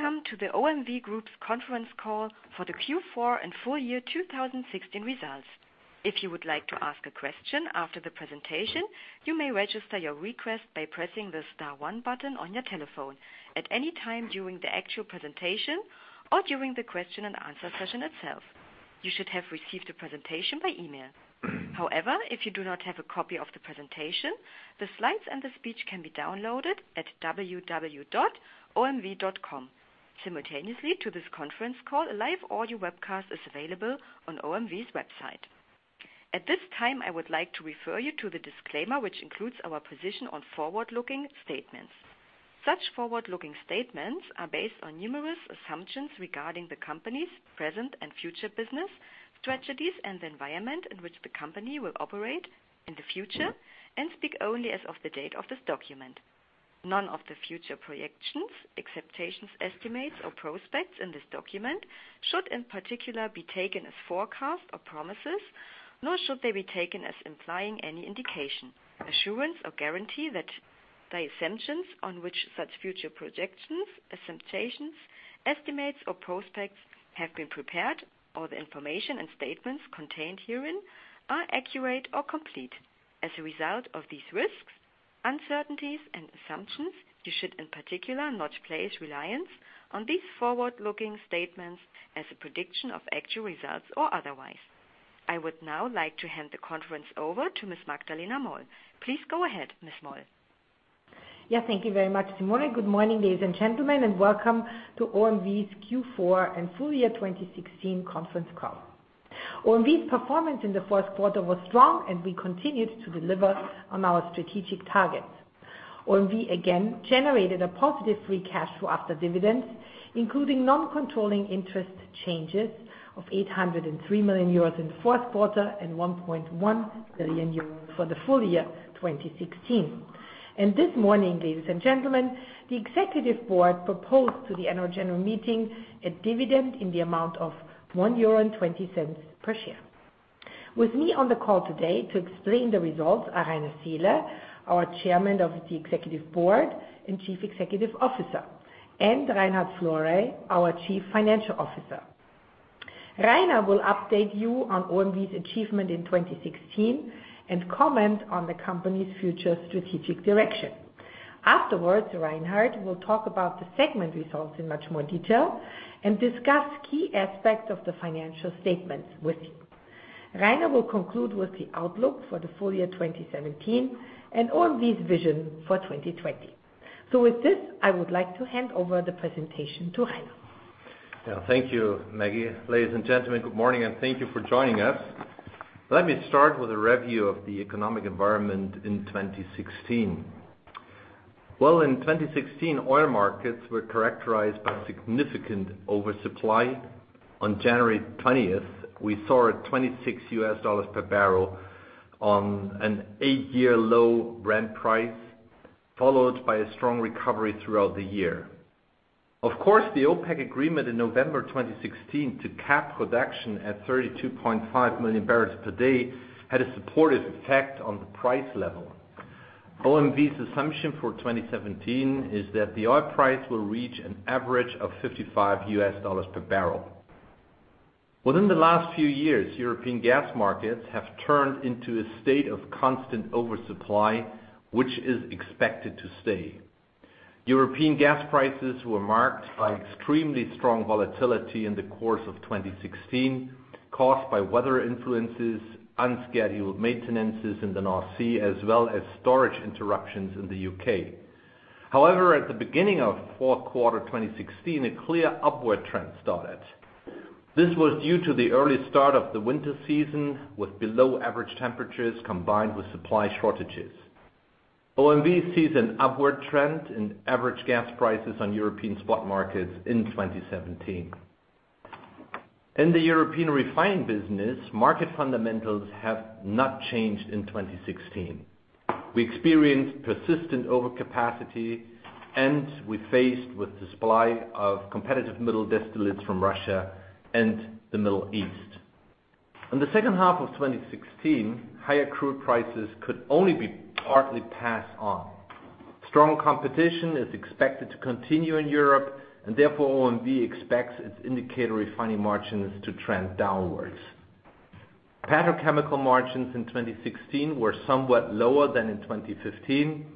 Welcome to the OMV Group's conference call for the Q4 and full year 2016 results. If you would like to ask a question after the presentation, you may register your request by pressing the star one button on your telephone at any time during the actual presentation or during the question and answer session itself. You should have received the presentation by email. However, if you do not have a copy of the presentation, the slides and the speech can be downloaded at www.omv.com. Simultaneously to this conference call, a live audio webcast is available on OMV's website. At this time, I would like to refer you to the disclaimer, which includes our position on forward-looking statements. Such forward-looking statements are based on numerous assumptions regarding the company's present and future business strategies and the environment in which the company will operate in the future and speak only as of the date of this document. None of the future projections, expectations, estimates, or prospects in this document should, in particular, be taken as forecasts or promises, nor should they be taken as implying any indication, assurance, or guarantee that the assumptions on which such future projections, assumptions, estimates, or prospects have been prepared, or the information and statements contained herein are accurate or complete. As a result of these risks, uncertainties, and assumptions, you should, in particular, not place reliance on these forward-looking statements as a prediction of actual results or otherwise. I would now like to hand the conference over to Ms. Magdalena Moll. Please go ahead, Ms. Moll. Thank you very much, Simone. Good morning, ladies and gentlemen, and welcome to OMV's Q4 and full year 2016 conference call. OMV's performance in the fourth quarter was strong, and we continued to deliver on our strategic targets. OMV again generated a positive free cash flow after dividends, including non-controlling interest changes of 803 million euros in the fourth quarter and 1.1 billion euros for the full year 2016. This morning, ladies and gentlemen, the Executive Board proposed to the annual general meeting a dividend in the amount of 1.20 euro per share. With me on the call today to explain the results are Rainer Seele, our Chairman of the Executive Board and Chief Executive Officer, and Reinhard Florey, our Chief Financial Officer. Rainer will update you on OMV's achievement in 2016 and comment on the company's future strategic direction. Afterwards, Reinhard will talk about the segment results in much more detail and discuss key aspects of the financial statements with you. Rainer will conclude with the outlook for the full year 2017 and OMV's vision for 2020. With this, I would like to hand over the presentation to Rainer. Yeah. Thank you, Maggie. Ladies and gentlemen, good morning, and thank you for joining us. Let me start with a review of the economic environment in 2016. Well, in 2016, oil markets were characterized by significant oversupply. On January 20th, we saw a $26 U.S. per barrel on an eight-year low Brent price, followed by a strong recovery throughout the year. Of course, the OPEC agreement in November 2016 to cap production at 32.5 million barrels per day had a supportive effect on the price level. OMV's assumption for 2017 is that the oil price will reach an average of $55 U.S. per barrel. Within the last few years, European gas markets have turned into a state of constant oversupply, which is expected to stay. European gas prices were marked by extremely strong volatility in the course of 2016, caused by weather influences, unscheduled maintenances in the North Sea, as well as storage interruptions in the U.K. However, at the beginning of fourth quarter 2016, a clear upward trend started. This was due to the early start of the winter season with below-average temperatures, combined with supply shortages. OMV sees an upward trend in average gas prices on European spot markets in 2017. In the European refined business, market fundamentals have not changed in 2016. We experienced persistent overcapacity, and we faced with the supply of competitive middle distillates from Russia and the Middle East. In the second half of 2016, higher crude prices could only be partly passed on. Therefore, OMV expects its indicator refining margins to trend downwards. Petrochemical margins in 2016 were somewhat lower than in 2015.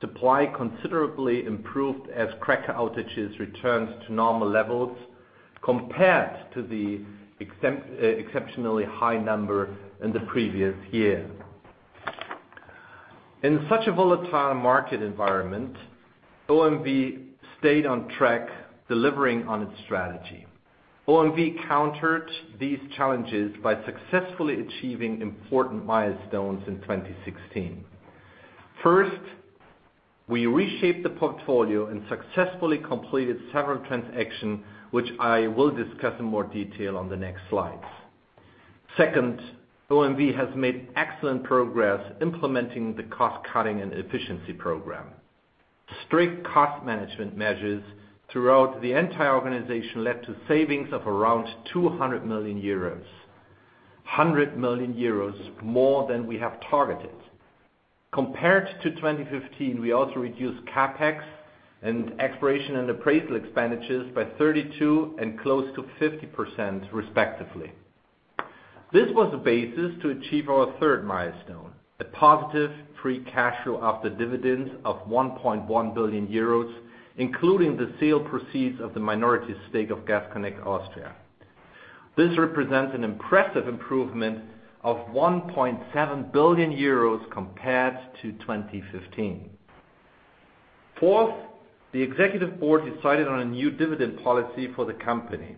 Supply considerably improved as cracker outages returned to normal levels compared to the exceptionally high number in the previous year. In such a volatile market environment, OMV stayed on track, delivering on its strategy. OMV countered these challenges by successfully achieving important milestones in 2016. First, we reshaped the portfolio and successfully completed several transactions, which I will discuss in more detail on the next slides. Second, OMV has made excellent progress implementing the cost-cutting and efficiency program. Strict cost management measures throughout the entire organization led to savings of around 200 million euros. 100 million euros more than we have targeted. Compared to 2015, we also reduced CapEx and exploration and appraisal expenditures by 32% and close to 50%, respectively. This was the basis to achieve our third milestone, a positive free cash flow after dividends of 1.1 billion euros, including the sale proceeds of the minority stake of Gas Connect Austria. This represents an impressive improvement of 1.7 billion euros compared to 2015. Fourth, the executive board decided on a new dividend policy for the company.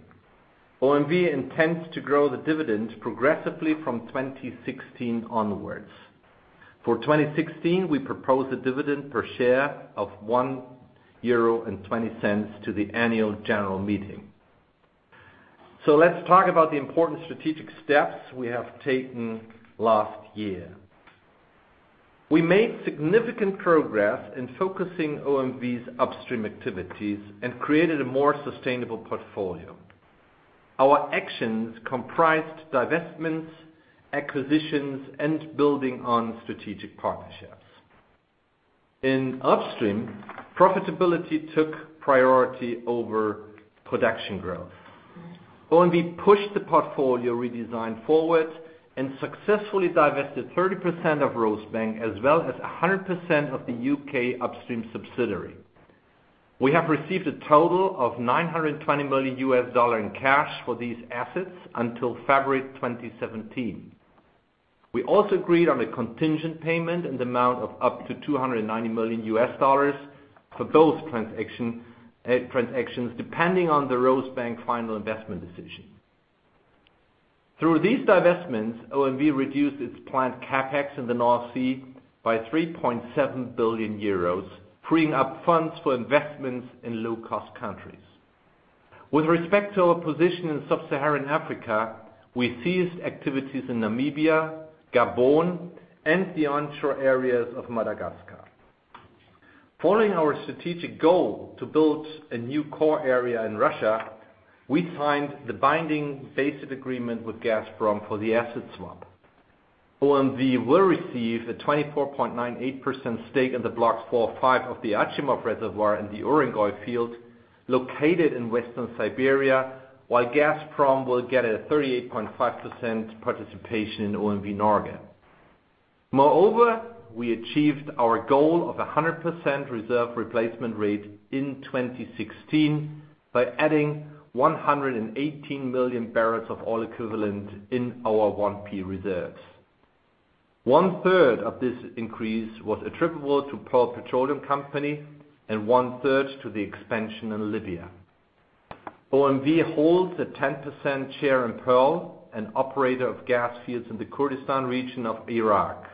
OMV intends to grow the dividend progressively from 2016 onwards. For 2016, we propose a dividend per share of 1.20 euro to the annual general meeting. Let's talk about the important strategic steps we have taken last year. We made significant progress in focusing OMV's upstream activities and created a more sustainable portfolio. Our actions comprised divestments, acquisitions, and building on strategic partnerships. In upstream, profitability took priority over production growth. OMV pushed the portfolio redesign forward and successfully divested 30% of Rosebank, as well as 100% of the U.K. upstream subsidiary. We have received a total of $920 million in cash for these assets until February 2017. We also agreed on a contingent payment in the amount of up to $290 million for both transactions, depending on the Rosebank final investment decision. Through these divestments, OMV reduced its planned CapEx in the North Sea by 3.7 billion euros, freeing up funds for investments in low-cost countries. With respect to our position in sub-Saharan Africa, we ceased activities in Namibia, Gabon, and the onshore areas of Madagascar. Following our strategic goal to build a new core area in Russia, we signed the binding basic agreement with Gazprom for the asset swap. OMV will receive a 24.98% stake in the Block 4-5 of the Achimov reservoir in the Urengoy field located in Western Siberia, while Gazprom will get a 38.5% participation in OMV Norge. Moreover, we achieved our goal of 100% reserve replacement rate in 2016 by adding 118 million barrels of oil equivalent in our 1P reserves. One-third of this increase was attributable to Pearl Petroleum Company and one-third to the expansion in Libya. OMV holds a 10% share in Pearl, an operator of gas fields in the Kurdistan region of Iraq.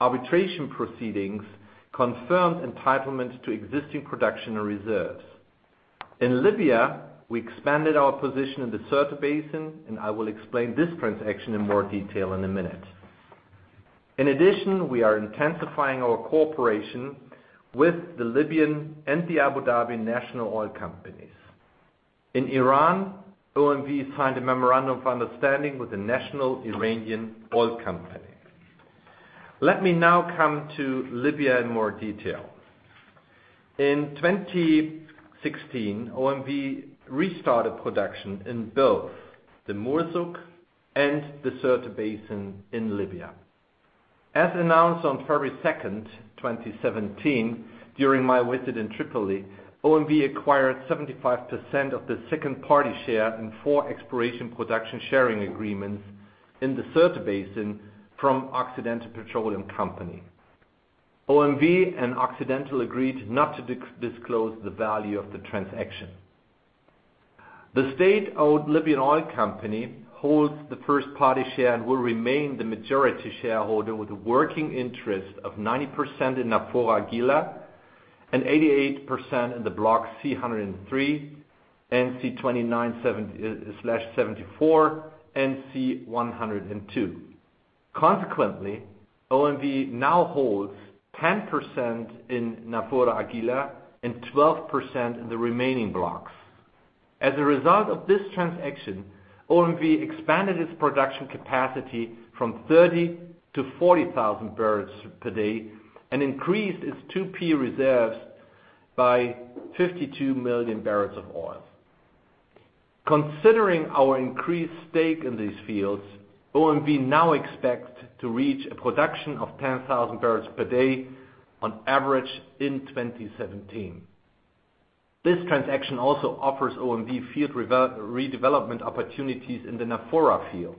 Arbitration proceedings confirmed entitlement to existing production and reserves. In Libya, we expanded our position in the Sirte Basin, and I will explain this transaction in more detail in a minute. In addition, we are intensifying our cooperation with the Libyan and the Abu Dhabi National Oil Company. In Iran, OMV signed a memorandum of understanding with the National Iranian Oil Company. Let me now come to Libya in more detail. In 2016, OMV restarted production in both the Murzuq and the Sirte Basin in Libya. As announced on February 2, 2017, during my visit in Tripoli, OMV acquired 75% of the second-party share in four exploration production sharing agreements in the Sirte Basin from Occidental Petroleum Company. OMV and Occidental agreed not to disclose the value of the transaction. The state-owned Libyan oil company holds the first-party share and will remain the majority shareholder with a working interest of 90% in Nafoora Augila and 88% in the Block C-103 and C-29/74 and C-102. Consequently, OMV now holds 10% in Nafoora Augila and 12% in the remaining blocks. As a result of this transaction, OMV expanded its production capacity from 30,000 to 40,000 barrels per day and increased its 2P reserves by 52 million barrels of oil. Considering our increased stake in these fields, OMV now expects to reach a production of 10,000 barrels per day on average in 2017. This transaction also offers OMV field redevelopment opportunities in the Nafoora field.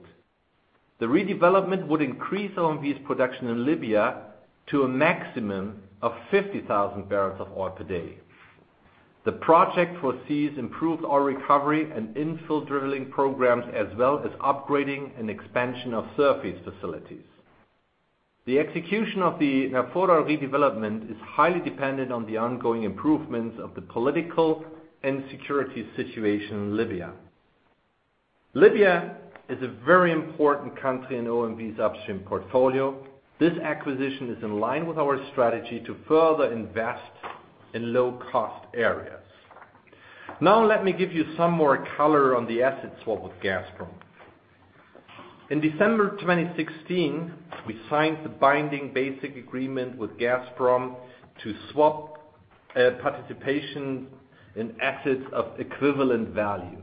The redevelopment would increase OMV's production in Libya to a maximum of 50,000 barrels of oil per day. The project foresees improved oil recovery and infill drilling programs, as well as upgrading and expansion of surface facilities. The execution of the Nafoora redevelopment is highly dependent on the ongoing improvements of the political and security situation in Libya. Libya is a very important country in OMV's upstream portfolio. This acquisition is in line with our strategy to further invest in low-cost areas. Now let me give you some more color on the asset swap with Gazprom. In December 2016, we signed the binding basic agreement with Gazprom to swap participation in assets of equivalent value.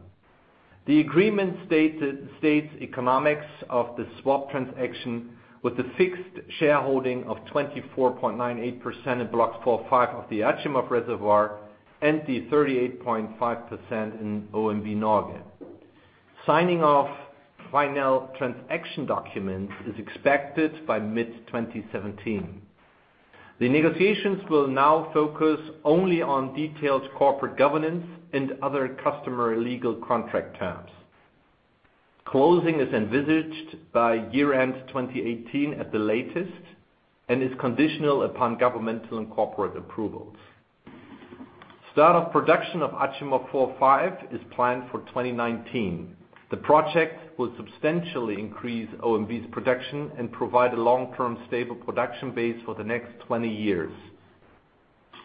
The agreement states economics of the swap transaction with a fixed shareholding of 24.98% in Blocks 4, 5 of the Achimov reservoir and the 38.5% in OMV Norge. Signing off final transaction documents is expected by mid-2017. The negotiations will now focus only on detailed corporate governance and other customary legal contract terms. Closing is envisaged by year-end 2018 at the latest and is conditional upon governmental and corporate approvals. Start of production of Achimov 4, 5 is planned for 2019. The project will substantially increase OMV's production and provide a long-term stable production base for the next 20 years.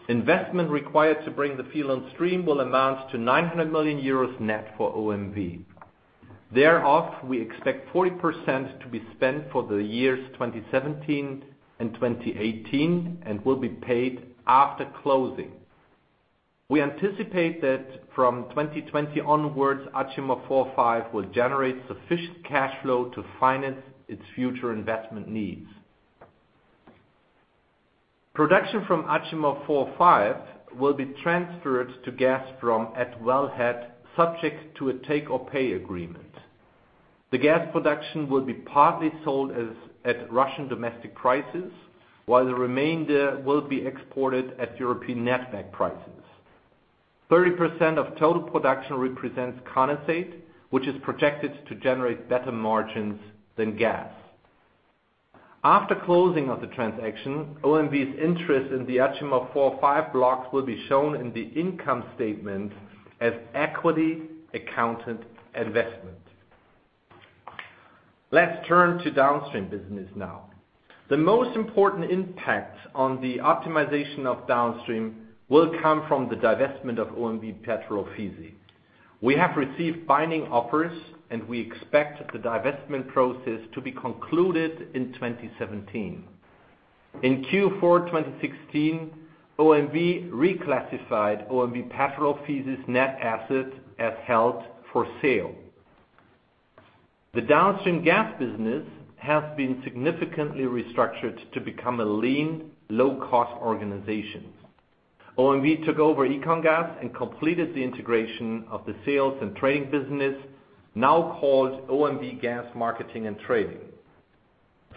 Investment required to bring the field on stream will amount to 900 million euros net for OMV. Thereof, we expect 40% to be spent for the years 2017 and 2018 and will be paid after closing. We anticipate that from 2020 onwards, Achimov 4, 5 will generate sufficient cash flow to finance its future investment needs. Production from Achimov 4, 5 will be transferred to Gazprom at wellhead, subject to a take or pay agreement. The gas production will be partly sold at Russian domestic prices, while the remainder will be exported at European netback prices. 30% of total production represents condensate, which is projected to generate better margins than gas. After closing of the transaction, OMV's interest in the Achimov 4, 5 blocks will be shown in the income statement as equity accounted investment. Let's turn to downstream business now. The most important impact on the optimization of downstream will come from the divestment of OMV Petrol Ofisi. We have received binding offers, and we expect the divestment process to be concluded in 2017. In Q4 2016, OMV reclassified OMV Petrol Ofisi's net assets as held for sale. The downstream gas business has been significantly restructured to become a lean, low-cost organization. OMV took over EconGas and completed the integration of the sales and trade business, now called OMV Gas Marketing & Trading.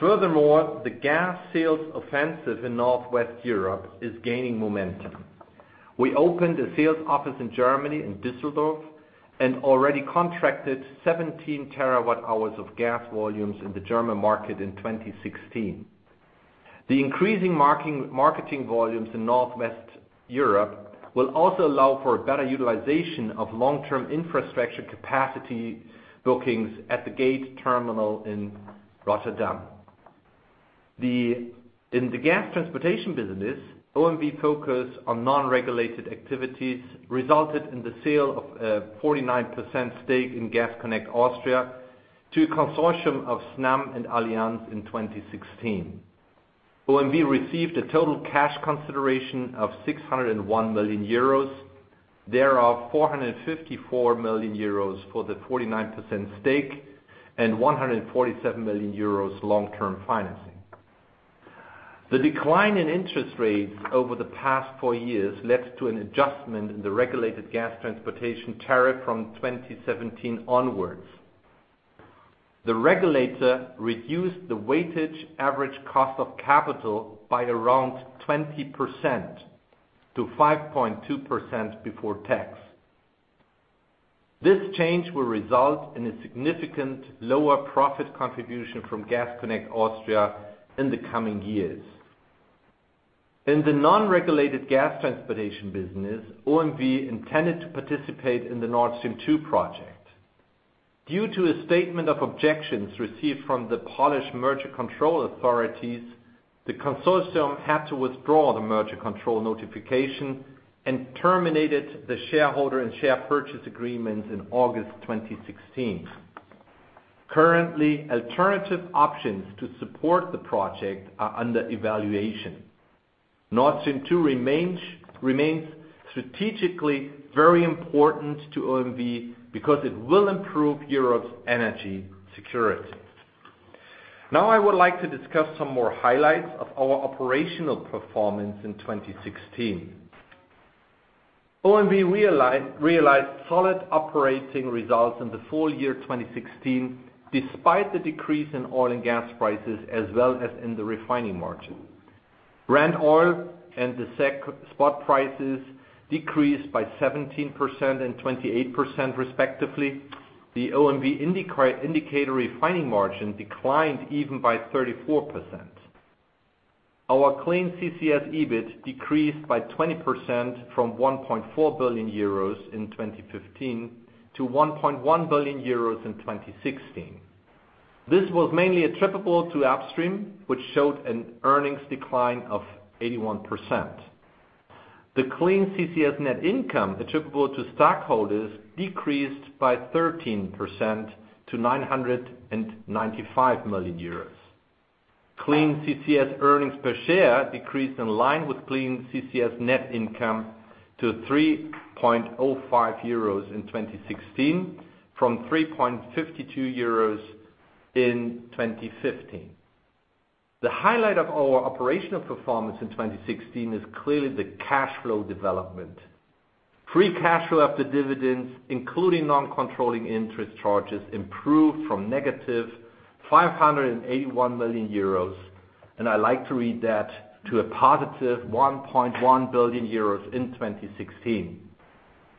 Furthermore, the gas sales offensive in Northwest Europe is gaining momentum. We opened a sales office in Germany in Düsseldorf and already contracted 17 terawatt-hours of gas volumes in the German market in 2016. The increasing marketing volumes in Northwest Europe will also allow for a better utilization of long-term infrastructure capacity bookings at the Gate terminal in Rotterdam. In the gas transportation business, OMV focus on non-regulated activities resulted in the sale of a 49% stake in Gas Connect Austria to a consortium of Snam and Allianz in 2016. OMV received a total cash consideration of 601 million euros. Thereof, 454 million euros for the 49% stake and 147 million euros long-term financing. The decline in interest rates over the past four years led to an adjustment in the regulated gas transportation tariff from 2017 onwards. The regulator reduced the weighted average cost of capital by around 20% to 5.2% before tax. This change will result in a significant lower profit contribution from Gas Connect Austria in the coming years. In the non-regulated gas transportation business, OMV intended to participate in the Nord Stream 2 project. Due to a statement of objections received from the Polish merger control authorities, the consortium had to withdraw the merger control notification and terminated the shareholder and share purchase agreements in August 2016. Currently, alternative options to support the project are under evaluation. Nord Stream 2 remains strategically very important to OMV because it will improve Europe's energy security. Now I would like to discuss some more highlights of our operational performance in 2016. OMV realized solid operating results in the full year 2016, despite the decrease in oil and gas prices, as well as in the refining margin. Brent oil and the SEC spot prices decreased by 17% and 28%, respectively. The OMV indicator refining margin declined even by 34%. Our Clean CCS EBIT decreased by 20% from 1.4 billion euros in 2015 to 1.1 billion euros in 2016. This was mainly attributable to Upstream, which showed an earnings decline of 81%. The Clean CCS net income attributable to stockholders decreased by 13% to 995 million euros. Clean CCS earnings per share decreased in line with Clean CCS net income to 3.05 euros in 2016 from 3.52 euros in 2015. The highlight of our operational performance in 2016 is clearly the cash flow development. Free cash flow after dividends, including non-controlling interest charges, improved from negative 581 million euros, and I like to read that to a positive 1.1 billion euros in 2016.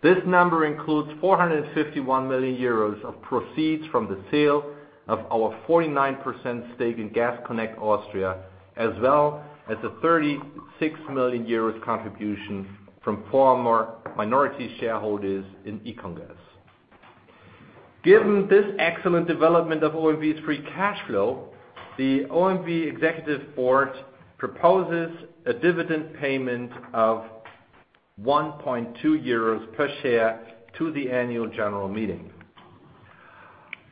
This number includes 451 million euros of proceeds from the sale of our 49% stake in Gas Connect Austria, as well as a 36 million euros contribution from former minority shareholders in EconGas. Given this excellent development of OMV's free cash flow, the OMV executive board proposes a dividend payment of 1.2 euros per share to the annual general meeting.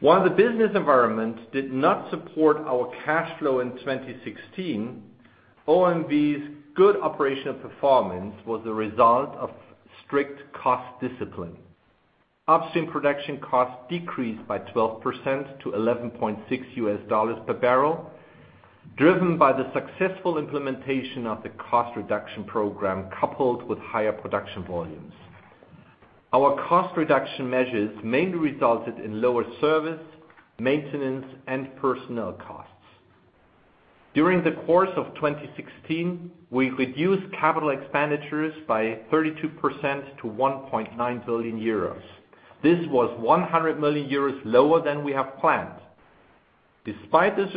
While the business environment did not support our cash flow in 2016, OMV's good operational performance was the result of strict cost discipline. Upstream production costs decreased by 12% to $11.6 per barrel, driven by the successful implementation of the cost reduction program, coupled with higher production volumes. Our cost reduction measures mainly resulted in lower service, maintenance, and personnel costs. During the course of 2016, we reduced capital expenditures by 32% to 1.9 billion euros. This was 100 million euros lower than we have planned. Despite this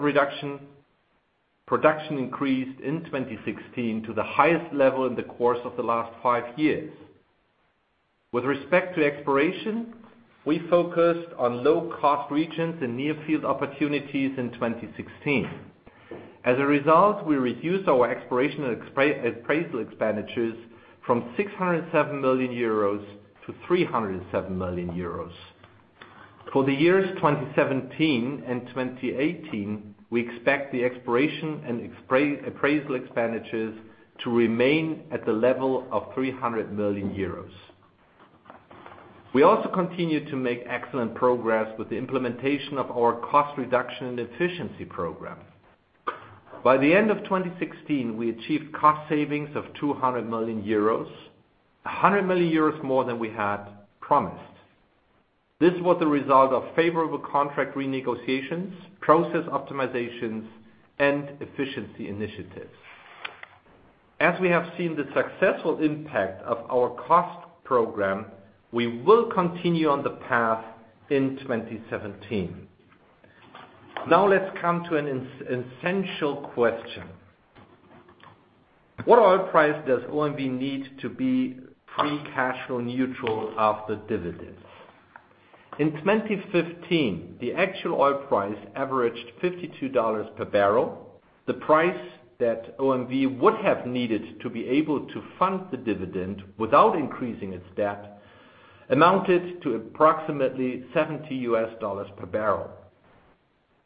reduction, production increased in 2016 to the highest level in the course of the last five years. With respect to exploration, we focused on low-cost regions and near-field opportunities in 2016. As a result, we reduced our exploration and appraisal expenditures from 607 million euros to 307 million euros. For the years 2017 and 2018, we expect the exploration and appraisal expenditures to remain at the level of 300 million euros. We also continue to make excellent progress with the implementation of our cost reduction and efficiency program. By the end of 2016, we achieved cost savings of 200 million euros, 100 million euros more than we had promised. This was the result of favorable contract renegotiations, process optimizations, and efficiency initiatives. As we have seen the successful impact of our cost program, we will continue on the path in 2017. Let's come to an essential question. What oil price does OMV need to be free cash flow neutral after dividends? In 2015, the actual oil price averaged $52 per barrel. The price that OMV would have needed to be able to fund the dividend without increasing its debt amounted to approximately $70 per barrel.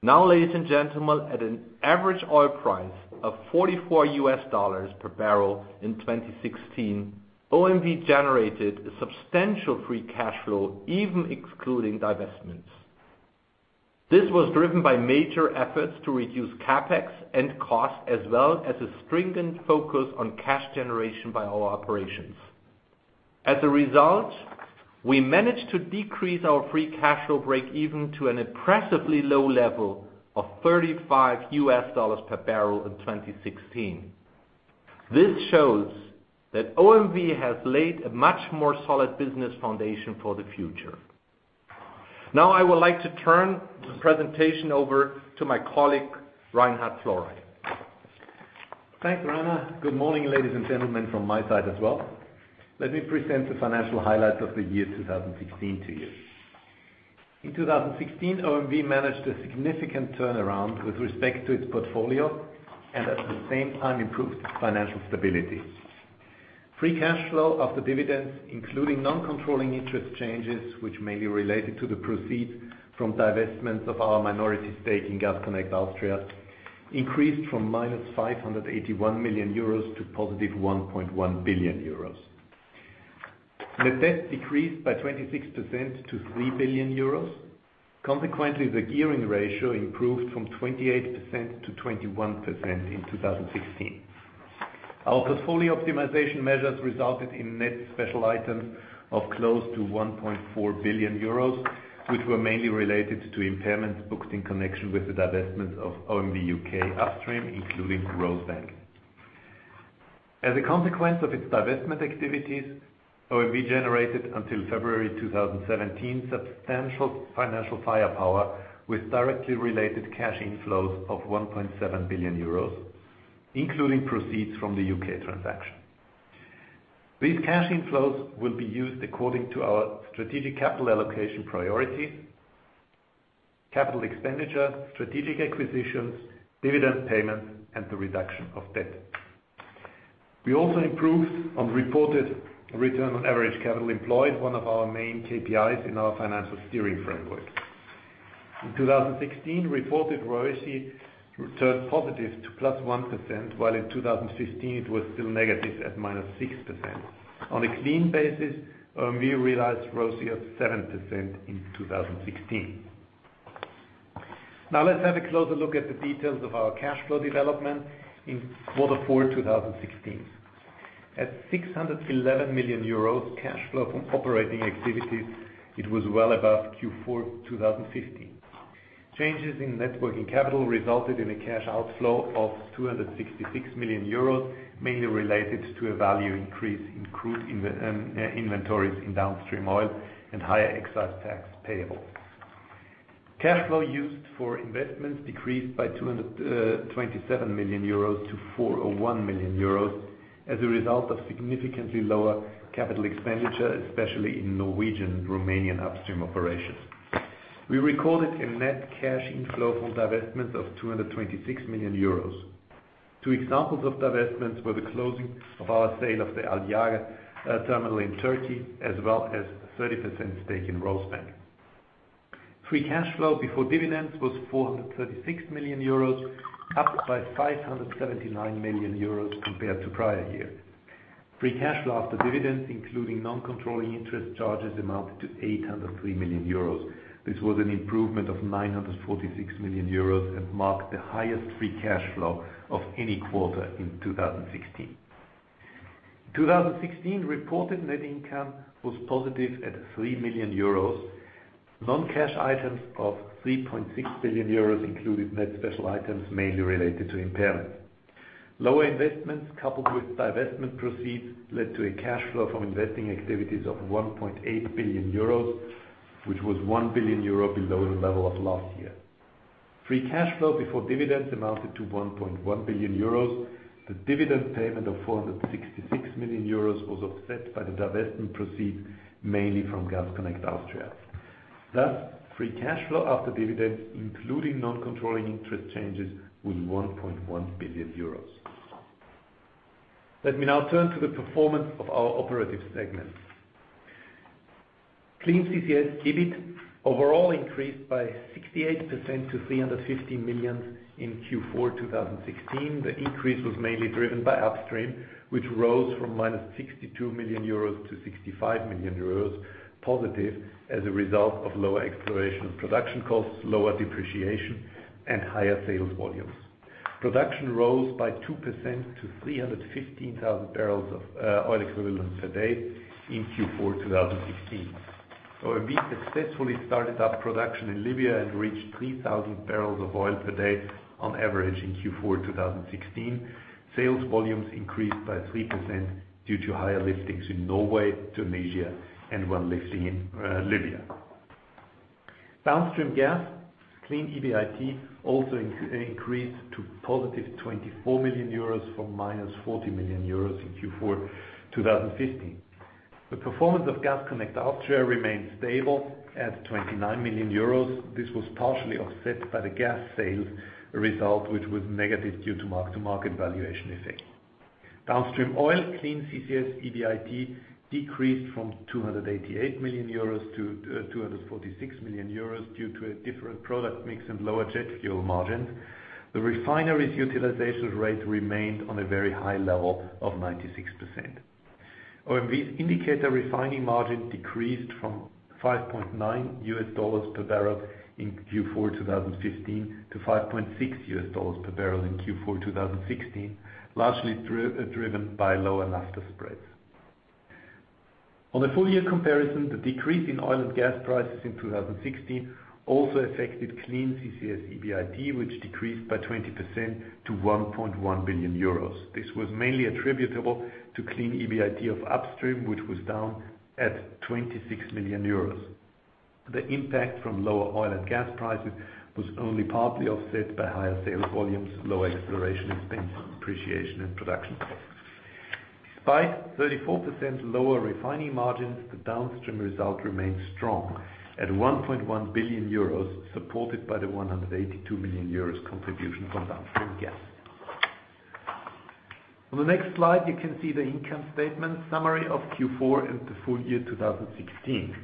Ladies and gentlemen, at an average oil price of $44 per barrel in 2016, OMV generated a substantial free cash flow, even excluding divestments. This was driven by major efforts to reduce CapEx and costs, as well as a stringent focus on cash generation by our operations. As a result, we managed to decrease our free cash flow break even to an impressively low level of $35 per barrel in 2016. This shows that OMV has laid a much more solid business foundation for the future. I would like to turn the presentation over to my colleague, Reinhard Florey. Thanks, Rainer. Good morning, ladies and gentlemen, from my side as well. Let me present the financial highlights of the year 2016 to you. In 2016, OMV managed a significant turnaround with respect to its portfolio and at the same time improved its financial stability. Free cash flow after dividends, including non-controlling interest changes, which may be related to the proceeds from divestments of our minority stake in Gas Connect Austria, increased from -581 million euros to 1.1 billion euros. Net debt decreased by 26% to 3 billion euros. Consequently, the gearing ratio improved from 28%-21% in 2016. Our portfolio optimization measures resulted in net special items of close to 1.4 billion euros, which were mainly related to impairments booked in connection with the divestment of OMV UK Upstream, including Rosebank. As a consequence of its divestment activities, OMV generated until February 2017, substantial financial firepower with directly related cash inflows of 1.7 billion euros, including proceeds from the U.K. transaction. These cash inflows will be used according to our strategic capital allocation priority, capital expenditure, strategic acquisitions, dividend payments, and the reduction of debt. We also improved on reported return on average capital employed, one of our main KPIs in our financial steering framework. In 2016, reported ROACE returned positive to +1%, while in 2015 it was still negative at -6%. On a clean basis, OMV realized ROACE of 7% in 2016. Let's have a closer look at the details of our cash flow development in quarter four 2016. At 611 million euros cash flow from operating activities, it was well above Q4 2015. Changes in net working capital resulted in a cash outflow of 266 million euros, mainly related to a value increase in crude inventories in downstream oil and higher excise tax payable. Cash flow used for investments decreased by 227 million euros to 401 million euros as a result of significantly lower capital expenditure, especially in Norwegian and Romanian upstream operations. We recorded a net cash inflow from divestment of 226 million euros. Two examples of divestments were the closing of our sale of the Aliaga terminal in Turkey, as well as a 30% stake in Rosebank. Free cash flow before dividends was 436 million euros, up by 579 million euros compared to prior year. Free cash flow after dividends, including non-controlling interest charges, amounted to 803 million euros. This was an improvement of 946 million euros and marked the highest free cash flow of any quarter in 2016. 2016 reported net income was positive at 3 million euros. Non-cash items of 3.6 billion euros included net special items, mainly related to impairment. Lower investments coupled with divestment proceeds led to a cash flow from investing activities of 1.8 billion euros, which was 1 billion euro below the level of last year. Free cash flow before dividends amounted to 1.1 billion euros. The dividend payment of 466 million euros was offset by the divestment proceed mainly from Gas Connect Austria. Thus, free cash flow after dividends, including non-controlling interest changes, was 1.1 billion euros. Let me now turn to the performance of our operative segments. Clean CCS EBIT overall increased by 68% to 315 million in Q4 2016. The increase was mainly driven by upstream, which rose from minus 62 million euros to 65 million euros positive as a result of lower exploration production costs, lower depreciation, and higher sales volumes. Production rose by 2% to 315,000 barrels of oil equivalent per day in Q4 2016. OMV successfully started up production in Libya and reached 3,000 barrels of oil per day on average in Q4 2016. Sales volumes increased by 3% due to higher liftings in Norway, Tunisia, and one lifting in Libya. Downstream Gas Clean EBIT also increased to positive 24 million euros from minus 40 million euros in Q4 2015. The performance of Gas Connect Austria remained stable at 29 million euros. This was partially offset by the gas sales result, which was negative due to mark-to-market valuation effect. Downstream Oil Clean CCS EBIT decreased from 288 million euros to 246 million euros due to a different product mix and lower jet fuel margins. The refinery's utilization rate remained on a very high level of 96%. OMV's indicator refining margin decreased from 5.9 US dollars per barrel in Q4 2015 to 5.6 US dollars per barrel in Q4 2016, largely driven by lower Naphtha spreads. On a full-year comparison, the decrease in oil and gas prices in 2016 also affected Clean CCS EBIT, which decreased by 20% to 1.1 billion euros. This was mainly attributable to Clean EBIT of upstream, which was down at 26 million euros. The impact from lower oil and gas prices was only partly offset by higher sales volumes, lower exploration expense, depreciation, and production costs. Despite 34% lower refining margins, the downstream result remained strong at 1.1 billion euros, supported by the 182 million euros contribution from Downstream Gas. On the next slide, you can see the income statement summary of Q4 and the full year 2016.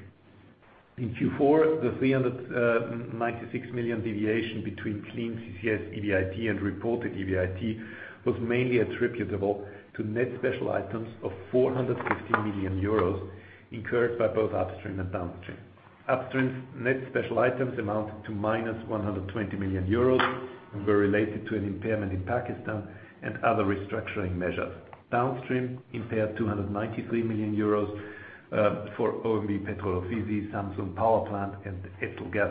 In Q4, the 396 million deviation between Clean CCS EBIT and Reported EBIT was mainly attributable to net special items of 415 million euros incurred by both upstream and downstream. Upstream's net special items amounted to minus 120 million euros and were related to an impairment in Pakistan and other restructuring measures. Downstream impaired 293 million euros for OMV Petrol Ofisi, Samsun Power Plant, and Etzel Gas.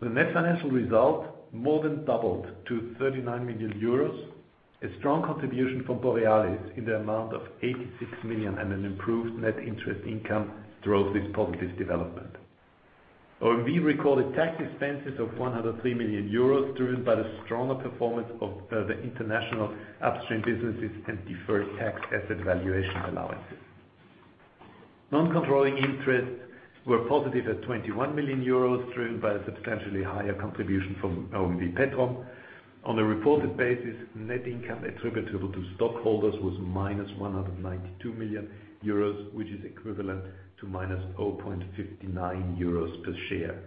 The net financial result more than doubled to 39 million euros. A strong contribution from Borealis in the amount of 86 million and an improved net interest income drove this positive development. OMV recorded tax expenses of 103 million euros, driven by the stronger performance of the international upstream businesses and deferred tax asset valuation allowances. Non-controlling interests were positive at 21 million euros, driven by a substantially higher contribution from OMV Petrom. On a reported basis, net income attributable to stockholders was minus 192 million euros, which is equivalent to minus 0.59 euros per share.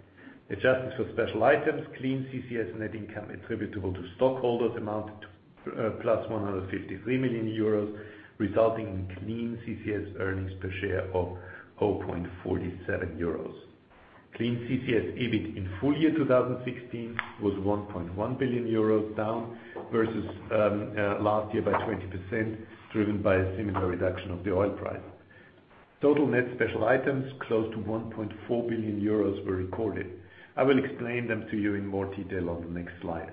Adjusted for special items, Clean CCS net income attributable to stockholders amounted to plus 153 million euros, resulting in Clean CCS earnings per share of 0.47 euros. Clean CCS EBIT in full year 2016 was 1.1 billion euros, down versus last year by 20%, driven by a similar reduction of the oil price. Total net special items, close to 1.4 billion euros were recorded. I will explain them to you in more detail on the next slide.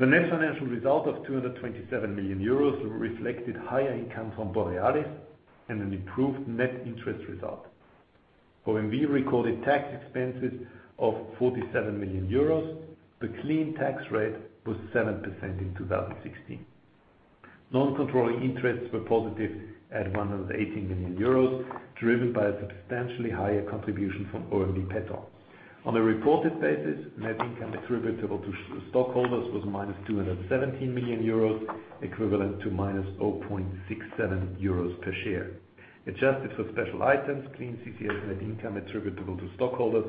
The net financial result of 227 million euros reflected higher income from Borealis and an improved net interest result. OMV recorded tax expenses of 47 million euros. The clean tax rate was 7% in 2016. Non-controlling interests were positive at 118 million euros, driven by a substantially higher contribution from OMV Petrom. On a reported basis, net income attributable to stockholders was minus 217 million euros, equivalent to minus 0.67 euros per share. Adjusted for special items, Clean CCS net income attributable to stockholders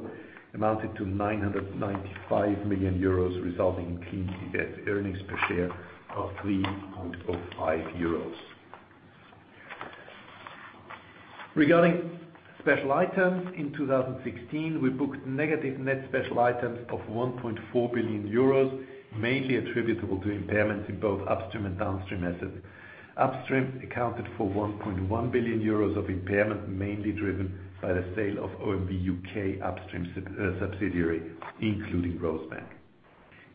amounted to 995 million euros, resulting in Clean CCS earnings per share of 3.05 euros. Regarding special items, in 2016, we booked negative net special items of 1.4 billion euros, mainly attributable to impairment in both upstream and downstream assets. Upstream accounted for 1.1 billion euros of impairment, mainly driven by the sale of OMV U.K. upstream subsidiary, including Rosebank.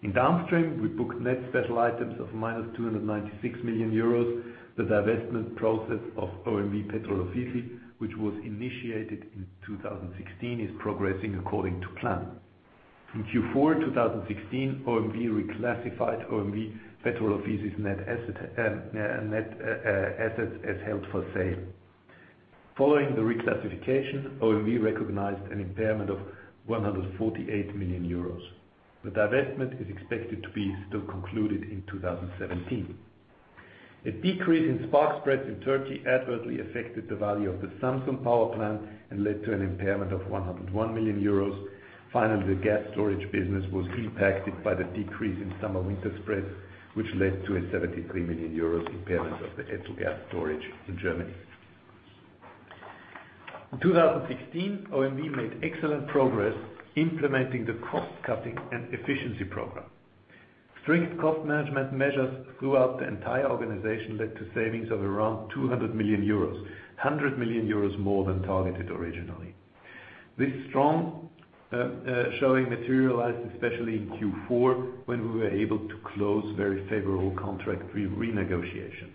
In downstream, we booked net special items of minus 296 million euros. The divestment process of OMV Petrol Ofisi, which was initiated in 2016, is progressing according to plan. In Q4 2016, OMV reclassified OMV Petrol Ofisi's net assets as held for sale. Following the reclassification, OMV recognized an impairment of 148 million euros. The divestment is expected to be still concluded in 2017. A decrease in spark spreads in Turkey adversely affected the value of the Samsun Power Plant and led to an impairment of 101 million euros. Finally, the gas storage business was impacted by the decrease in summer-winter spreads, which led to a 73 million euros impairment of the Etzel Gas storage in Germany. In 2016, OMV made excellent progress implementing the cost-cutting and efficiency program. Strict cost management measures throughout the entire organization led to savings of around 200 million euros, 100 million euros more than targeted originally. This strong showing materialized especially in Q4 when we were able to close very favorable contract renegotiations.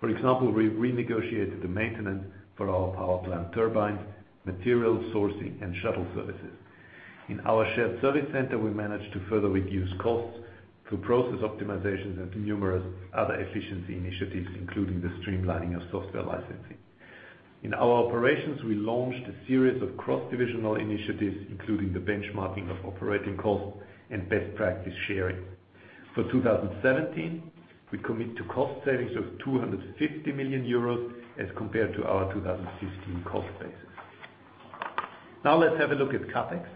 For example, we renegotiated the maintenance for our power plant turbines, material sourcing, and shuttle services. In our shared service center, we managed to further reduce costs through process optimizations and through numerous other efficiency initiatives, including the streamlining of software licensing. In our operations, we launched a series of cross-divisional initiatives, including the benchmarking of operating costs and best practice sharing. For 2017, we commit to cost savings of 250 million euros as compared to our 2016 cost basis. Now let's have a look at CapEx.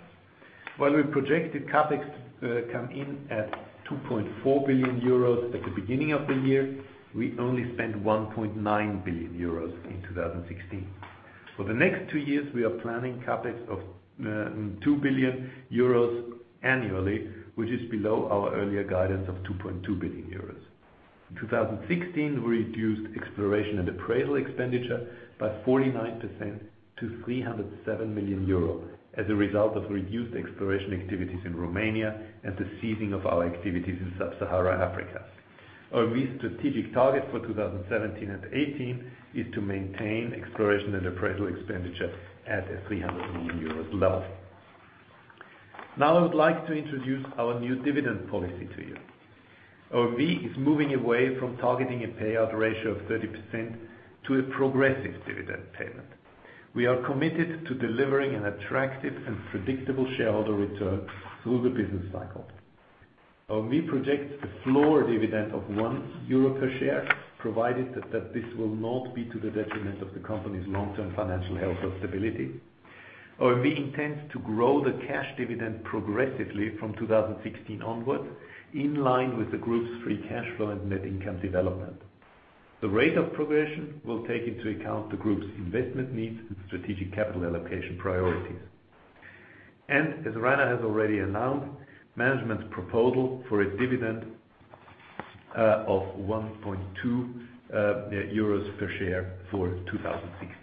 While we projected CapEx to come in at 2.4 billion euros at the beginning of the year, we only spent 1.9 billion euros in 2016. For the next two years, we are planning CapEx of 2 billion euros annually, which is below our earlier guidance of 2.2 billion euros. In 2016, we reduced exploration and appraisal expenditure by 49% to 307 million euro as a result of reduced exploration activities in Romania and the ceasing of our activities in Sub-Saharan Africa. OMV's strategic target for 2017 and 2018 is to maintain exploration and appraisal expenditure at a 300 million euros level. I would like to introduce our new dividend policy to you. OMV is moving away from targeting a payout ratio of 30% to a progressive dividend payment. We are committed to delivering an attractive and predictable shareholder return through the business cycle. OMV projects the floor dividend of 1 euro per share, provided that this will not be to the detriment of the company’s long-term financial health or stability. OMV intends to grow the cash dividend progressively from 2016 onwards, in line with the group's free cash flow and net income development. The rate of progression will take into account the group's investment needs and strategic capital allocation priorities. As Rainer has already announced, management proposal for a dividend of 1.2 euros per share for 2016.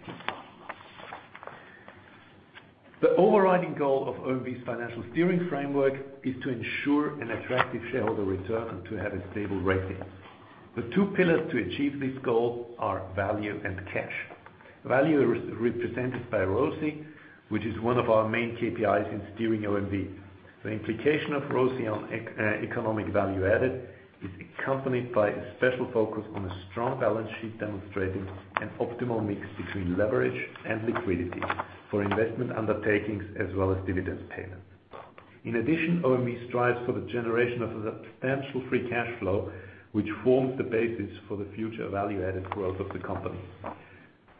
The overriding goal of OMV's financial steering framework is to ensure an attractive shareholder return and to have a stable rating. The two pillars to achieve this goal are value and cash. Value is represented by ROCE, which is one of our main KPIs in steering OMV. The implication of ROCE on economic value added is accompanied by a special focus on a strong balance sheet demonstrating an optimal mix between leverage and liquidity for investment undertakings as well as dividend payments. In addition, OMV strives for the generation of substantial free cash flow, which forms the basis for the future value-added growth of the company.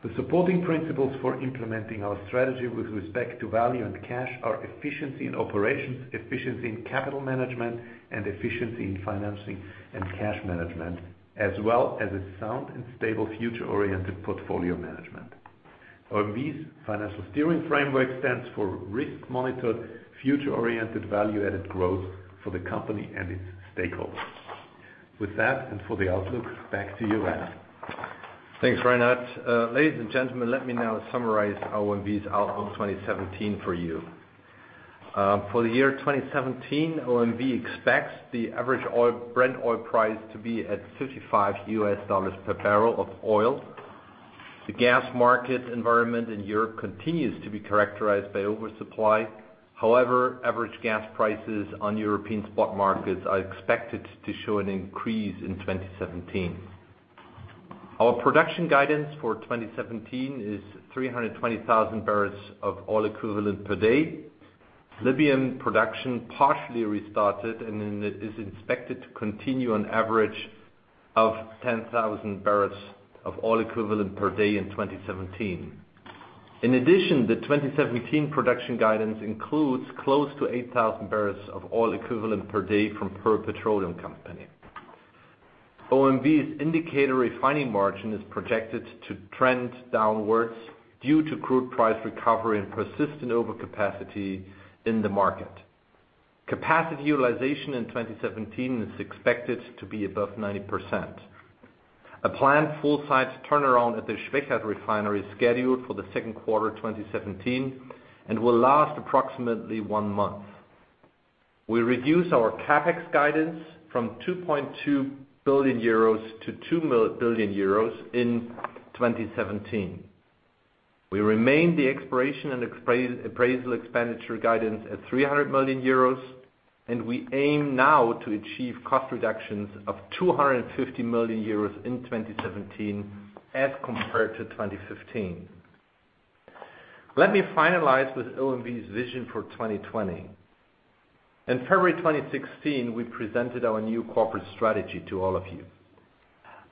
The supporting principles for implementing our strategy with respect to value and cash are efficiency in operations, efficiency in capital management, and efficiency in financing and cash management, as well as a sound and stable future-oriented portfolio management. OMV's financial steering framework stands for risk-monitored, future-oriented, value-added growth for the company and its stakeholders. With that and for the outlook, back to you, Rainer. Thanks, Reinhard. Ladies and gentlemen, let me now summarize OMV's outlook 2017 for you. For the year 2017, OMV expects the average Brent oil price to be at $55 per barrel of oil. The gas market environment in Europe continues to be characterized by oversupply. However, average gas prices on European spot markets are expected to show an increase in 2017. Our production guidance for 2017 is 320,000 barrels of oil equivalent per day. Libyan production partially restarted and it is expected to continue an average of 10,000 barrels of oil equivalent per day in 2017. In addition, the 2017 production guidance includes close to 8,000 barrels of oil equivalent per day from Pearl Petroleum Company. OMV's indicator refining margin is projected to trend downwards due to crude price recovery and persistent overcapacity in the market. Capacity utilization in 2017 is expected to be above 90%. A planned full site turnaround at the Schwechat refinery is scheduled for the second quarter of 2017 and will last approximately one month. We reduce our CapEx guidance from 2.2 billion euros to 2 billion euros in 2017. We remain the exploration and appraisal expenditure guidance at 300 million euros. We aim now to achieve cost reductions of 250 million euros in 2017 as compared to 2015. Let me finalize with OMV's vision for 2020. In February 2016, we presented our new corporate strategy to all of you.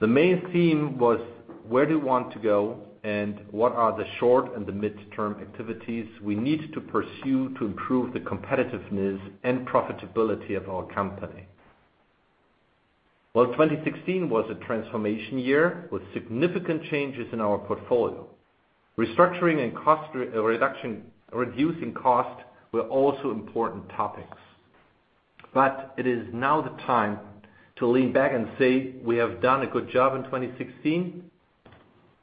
The main theme was: Where do we want to go, and what are the short and the midterm activities we need to pursue to improve the competitiveness and profitability of our company? Well, 2016 was a transformation year with significant changes in our portfolio. Restructuring and reducing cost were also important topics. It is now the time to lean back and say we have done a good job in 2016.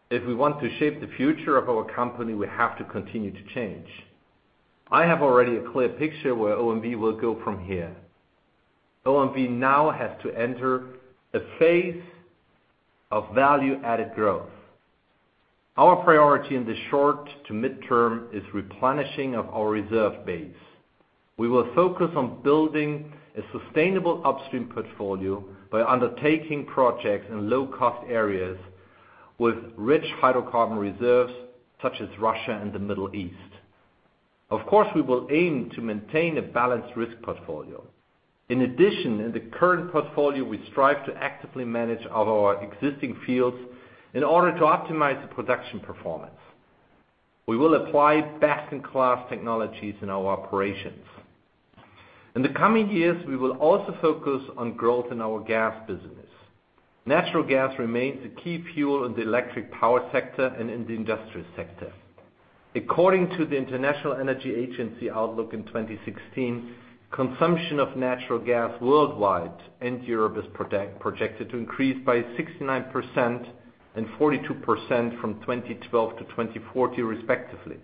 If we want to shape the future of our company, we have to continue to change. I have already a clear picture where OMV will go from here. OMV now has to enter a phase of value-added growth. Our priority in the short to midterm is replenishing of our reserve base. We will focus on building a sustainable upstream portfolio by undertaking projects in low-cost areas with rich hydrocarbon reserves, such as Russia and the Middle East. Of course, we will aim to maintain a balanced risk portfolio. In addition, in the current portfolio, we strive to actively manage our existing fields in order to optimize the production performance. We will apply best-in-class technologies in our operations. In the coming years, we will also focus on growth in our gas business. Natural gas remains the key fuel in the electric power sector and in the industrial sector. According to the International Energy Agency Outlook in 2016, consumption of natural gas worldwide and Europe is projected to increase by 69% and 42% from 2012 to 2040, respectively.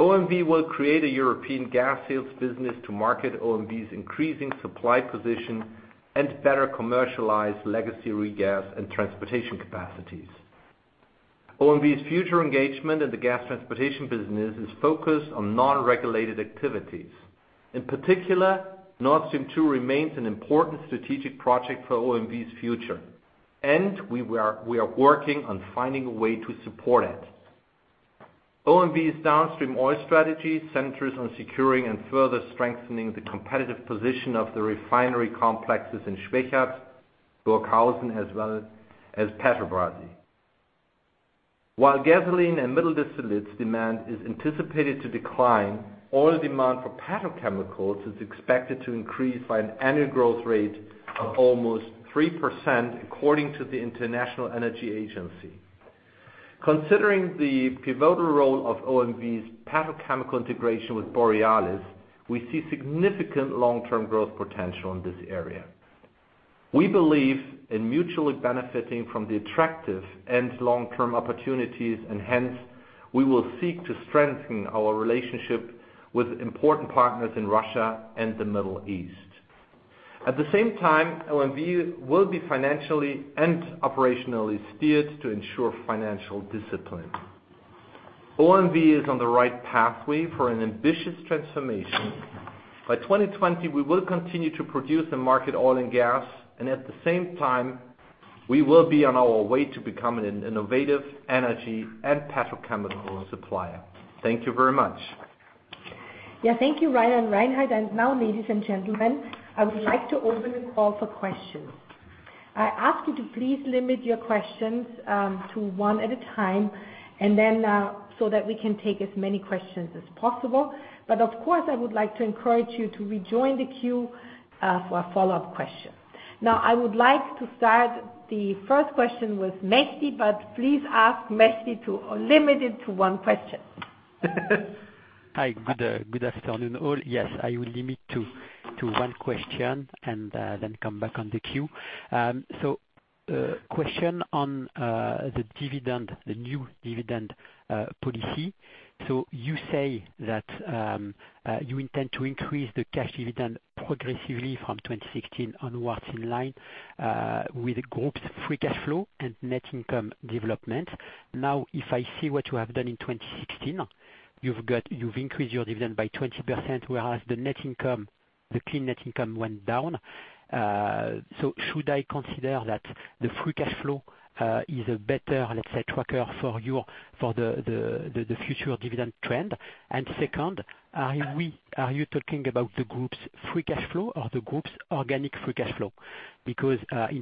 OMV will create a European gas sales business to market OMV's increasing supply position and better commercialize legacy regas and transportation capacities. OMV's future engagement in the gas transportation business is focused on non-regulated activities. In particular, Nord Stream 2 remains an important strategic project for OMV's future, and we are working on finding a way to support it. OMV's downstream oil strategy centers on securing and further strengthening the competitive position of the refinery complexes in Schwechat, Burghausen, as well as Petrobrazi. While gasoline and middle distillates demand is anticipated to decline, oil demand for petrochemicals is expected to increase by an annual growth rate of almost 3%, according to the International Energy Agency. Considering the pivotal role of OMV's petrochemical integration with Borealis, we see significant long-term growth potential in this area. We believe in mutually benefiting from the attractive and long-term opportunities, and hence We will seek to strengthen our relationship with important partners in Russia and the Middle East. At the same time, OMV will be financially and operationally steered to ensure financial discipline. OMV is on the right pathway for an ambitious transformation. By 2020, we will continue to produce and market oil and gas, and at the same time, we will be on our way to becoming an innovative energy and petrochemical supplier. Thank you very much. Yeah, thank you, Rainer and Reinhard. Now, ladies and gentlemen, I would like to open the call for questions. I ask you to please limit your questions to one at a time, so that we can take as many questions as possible. Of course, I would like to encourage you to rejoin the queue for a follow-up question. I would like to start the first question with Mehdi, please ask Mehdi to limit it to one question. Hi. Good afternoon, all. Yes, I will limit to one question, then come back on the queue. Question on the new dividend policy. You say that you intend to increase the cash dividend progressively from 2016 onwards in line with the group's free cash flow and net income development. If I see what you have done in 2016, you've increased your dividend by 20%, whereas the clean net income went down. Should I consider that the free cash flow is a better, let's say, tracker for the future dividend trend? Second, are you talking about the group's free cash flow or the group's organic free cash flow? In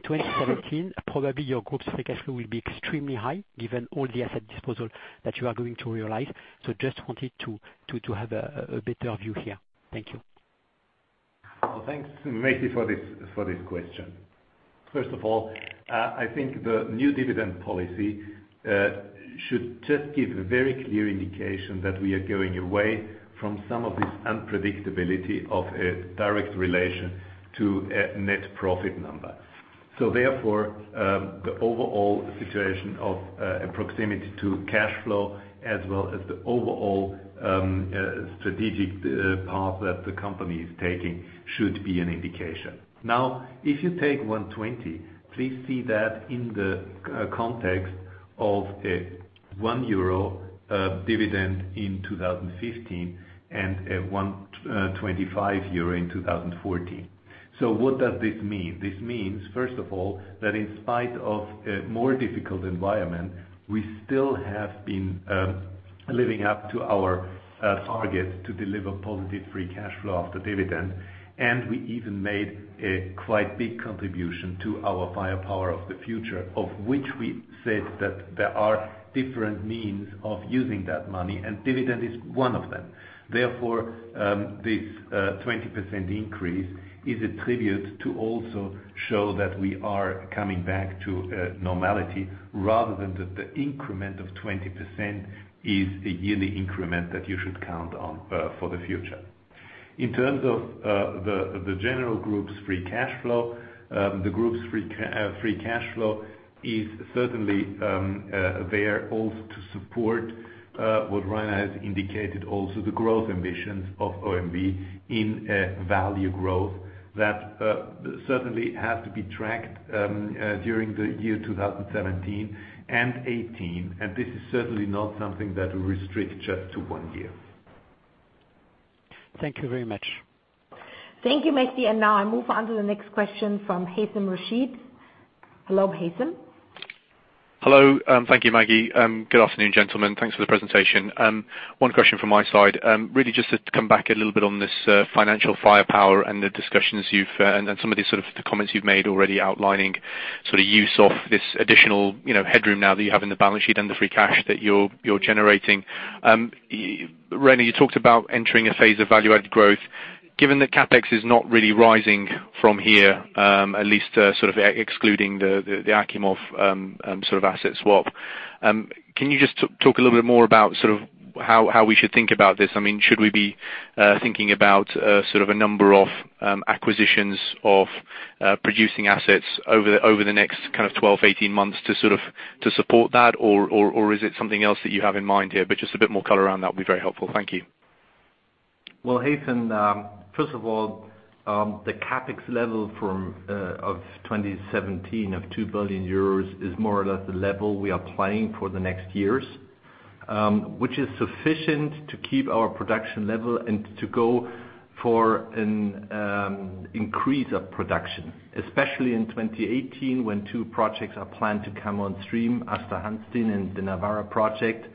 2017, probably your group's free cash flow will be extremely high given all the asset disposal that you are going to realize. Just wanted to have a better view here. Thank you. Thanks, Messi, for this question. First of all, I think the new dividend policy should just give a very clear indication that we are going away from some of this unpredictability of a direct relation to a net profit number. Therefore, the overall situation of a proximity to cash flow as well as the overall strategic path that the company is taking should be an indication. If you take 1.20, please see that in the context of a €1 dividend in 2015 and a EUR 1.25 in 2014. What does this mean? This means, first of all, that in spite of a more difficult environment, we still have been living up to our target to deliver positive free cash flow after dividend. We even made a quite big contribution to our firepower of the future, of which we said that there are different means of using that money, and dividend is one of them. Therefore, this 20% increase is a tribute to also show that we are coming back to normality rather than that the increment of 20% is a yearly increment that you should count on for the future. In terms of the general group's free cash flow, the group's free cash flow is certainly there also to support what Rainer has indicated also, the growth ambitions of OMV in value growth that certainly has to be tracked during the year 2017 and 2018. This is certainly not something that we restrict just to one year. Thank you very much. Thank you, Mehdi. Now I move on to the next question from Haythem Rashed. Hello, Haythem. Hello. Thank you, Maggie. Good afternoon, gentlemen. Thanks for the presentation. One question from my side. Really just to come back a little bit on this financial firepower and the discussions you've earned and some of the comments you've made already outlining use of this additional headroom now that you have in the balance sheet and the free cash that you're generating. Rainer, you talked about entering a phase of value-added growth. Given that CapEx is not really rising from here, at least excluding the Achimov asset swap, can you just talk a little bit more about how we should think about this? Should we be thinking about a number of acquisitions of producing assets over the next 12, 18 months to support that, or is it something else that you have in mind here? Just a bit more color around that would be very helpful. Thank you. Well, Haythem, first of all, the CapEx level of 2017 of 2 billion euros is more or less the level we are planning for the next years, which is sufficient to keep our production level and to go for an increase of production. Especially in 2018 when two projects are planned to come on stream, Aasta Hansteen and the Nawara project.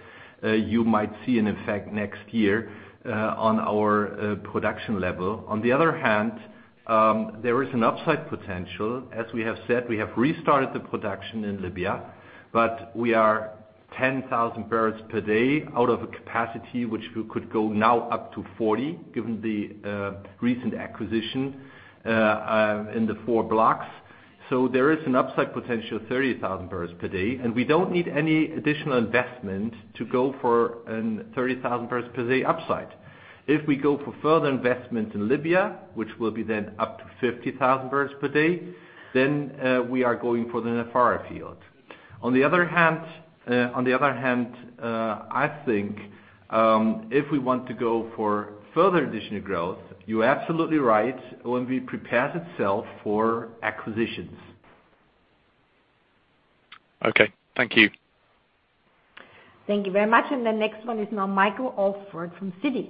You might see an effect next year on our production level. On the other hand, there is an upside potential. As we have said, we have restarted the production in Libya, but we are 10,000 barrels per day out of a capacity which could go now up to 40 given the recent acquisition in the four blocks. There is an upside potential of 30,000 barrels per day, and we don't need any additional investment to go for a 30,000 barrels per day upside. If we go for further investment in Libya, which will be then up to 50,000 barrels per day, then we are going for the Nafoora field. On the other hand, I think if we want to go for further additional growth, you're absolutely right. OMV prepares itself for acquisitions. Okay. Thank you. Thank you very much. The next one is now Michael Alsford from Citi.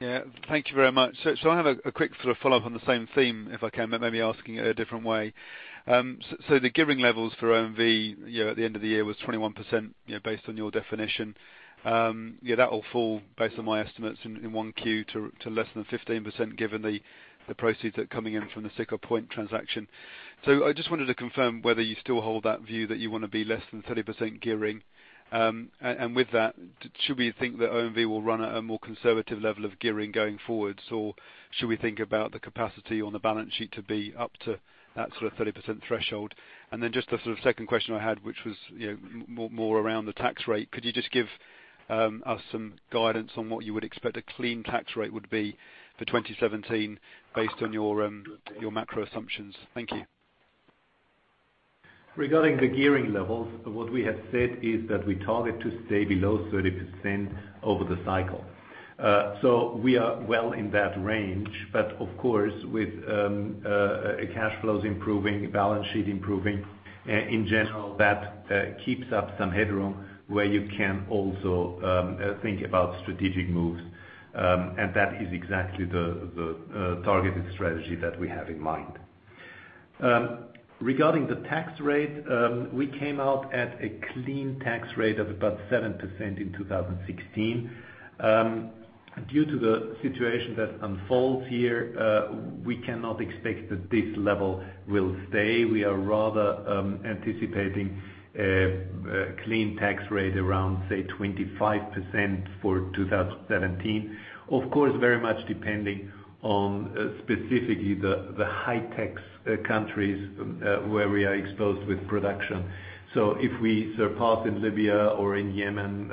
Yeah. Thank you very much. I have a quick follow-up on the same theme, if I can, but maybe asking it a different way. The gearing levels for OMV, at the end of the year was 21%, based on your definition. That will fall based on my estimates in 1Q to less than 15%, given the proceeds that are coming in from the Siccar Point transaction. I just wanted to confirm whether you still hold that view that you want to be less than 30% gearing. With that, should we think that OMV will run at a more conservative level of gearing going forwards? Or should we think about the capacity on the balance sheet to be up to that sort of 30% threshold? Then just the second question I had, which was more around the tax rate. Could you just give us some guidance on what you would expect a clean tax rate would be for 2017 based on your macro assumptions? Thank you. Regarding the gearing levels, what we have said is that we target to stay below 30% over the cycle. We are well in that range, but of course, with cash flows improving, balance sheet improving, in general, that keeps up some headroom where you can also think about strategic moves. That is exactly the targeted strategy that we have in mind. Regarding the tax rate, we came out at a clean tax rate of about 7% in 2016. Due to the situation that unfolds here, we cannot expect that this level will stay. We are rather anticipating a clean tax rate around, say, 25% for 2017. Of course, very much depending on specifically the high tax countries where we are exposed with production. If we surpass in Libya or in Yemen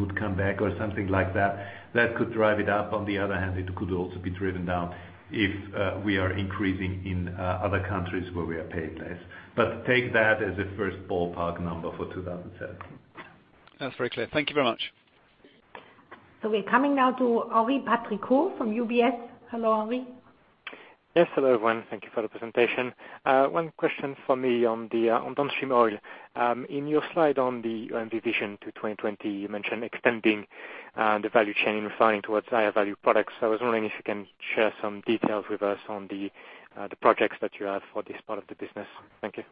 would come back or something like that could drive it up. On the other hand, it could also be driven down if we are increasing in other countries where we are paying less. Take that as a first ballpark number for 2017. That's very clear. Thank you very much. We're coming now to Henri Patricot from UBS. Hello, Henri. Yes, hello, everyone. Thank you for the presentation. One question from me on downstream oil. In your slide on the OMV vision to 2020, you mentioned extending the value chain in refining towards higher value products. I was wondering if you can share some details with us on the projects that you have for this part of the business. Thank you.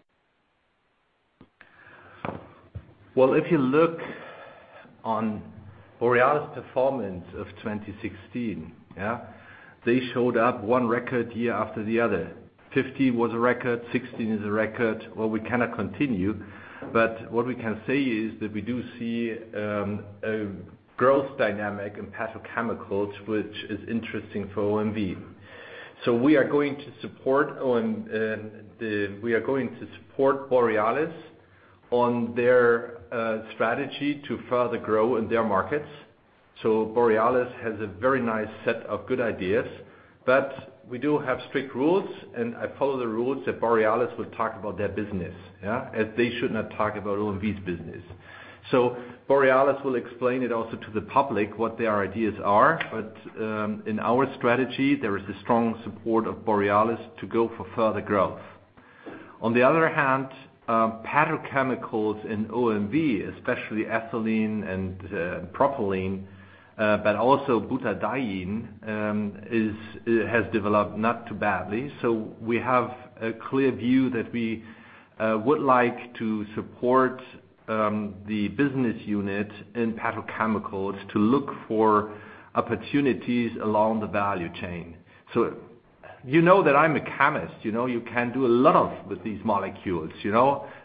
Well, if you look on Borealis performance of 2016, yeah. They showed up one record year after the other. 2015 was a record, 2016 is a record. Well, we cannot continue, but what we can say is that we do see a growth dynamic in petrochemicals, which is interesting for OMV. We are going to support Borealis on their strategy to further grow in their markets. Borealis has a very nice set of good ideas, but we do have strict rules, and I follow the rules that Borealis will talk about their business. Yeah. They should not talk about OMV's business. Borealis will explain it also to the public what their ideas are. In our strategy, there is a strong support of Borealis to go for further growth. On the other hand, petrochemicals in OMV, especially ethylene and propylene, but also butadiene has developed not too badly. We have a clear view that we would like to support the business unit in petrochemicals to look for opportunities along the value chain. You know that I'm a chemist. You know you can do a lot of with these molecules,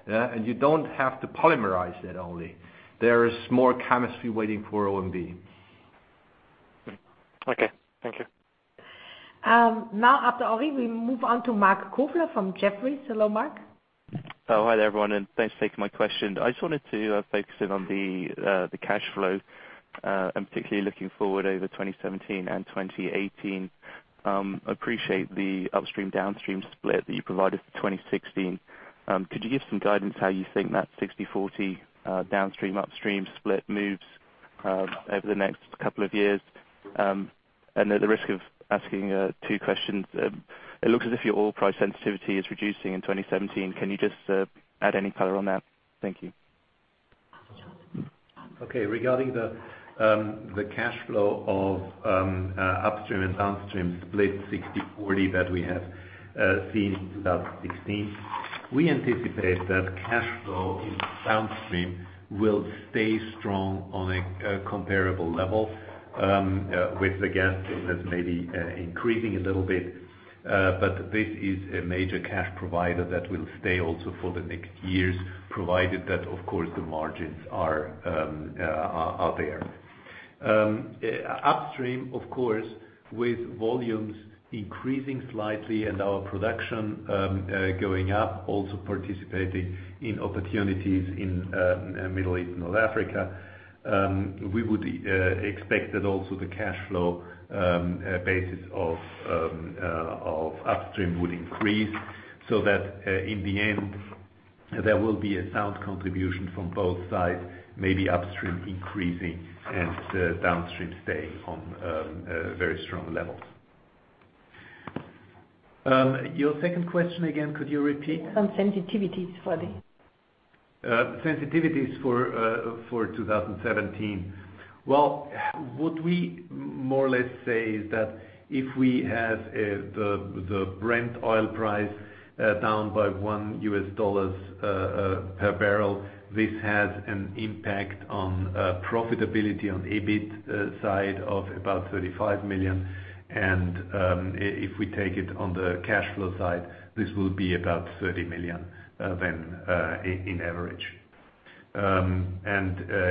and you don't have to polymerize it only. There is more chemistry waiting for OMV. Okay. Thank you. Now after Henri, we move on to Marc Kofler from Jefferies. Hello, Marc. Hi there, everyone, and thanks for taking my question. I just wanted to focus in on the cash flow, and particularly looking forward over 2017 and 2018. Appreciate the upstream, downstream split that you provided for 2016. Could you give some guidance how you think that 60/40 downstream, upstream split moves over the next couple of years? At the risk of asking two questions, it looks as if your oil price sensitivity is reducing in 2017. Can you just add any color on that? Thank you. Okay. Regarding the cash flow of upstream and downstream split 60/40 that we have seen in 2016, we anticipate that cash flow in downstream will stay strong on a comparable level with the gas business maybe increasing a little bit. This is a major cash provider that will stay also for the next years, provided that, of course, the margins are there. Upstream, of course, with volumes increasing slightly and our production going up, also participating in opportunities in Middle East and North Africa, we would expect that also the cash flow basis of upstream would increase, so that in the end there will be a sound contribution from both sides, maybe upstream increasing and downstream staying on very strong levels. Your second question again, could you repeat? Some sensitivities for the Sensitivities for 2017. Well, what we more or less say is that if we have the Brent oil price down by 1 US dollar per barrel, this has an impact on profitability, on EBIT side of about 35 million. If we take it on the cash flow side, this will be about 30 million then in average.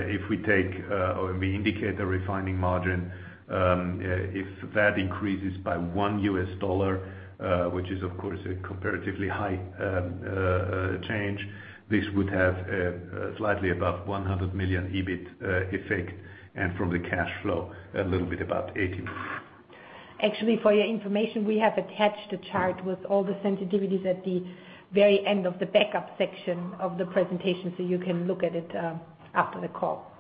If we take, or we indicate a refining margin, if that increases by 1 US dollar, which is of course a comparatively high change, this would have slightly above 100 million EBIT effect and from the cash flow, a little bit above 80 million. Actually, for your information, we have attached a chart with all the sensitivities at the very end of the backup section of the presentation, so you can look at it after the call.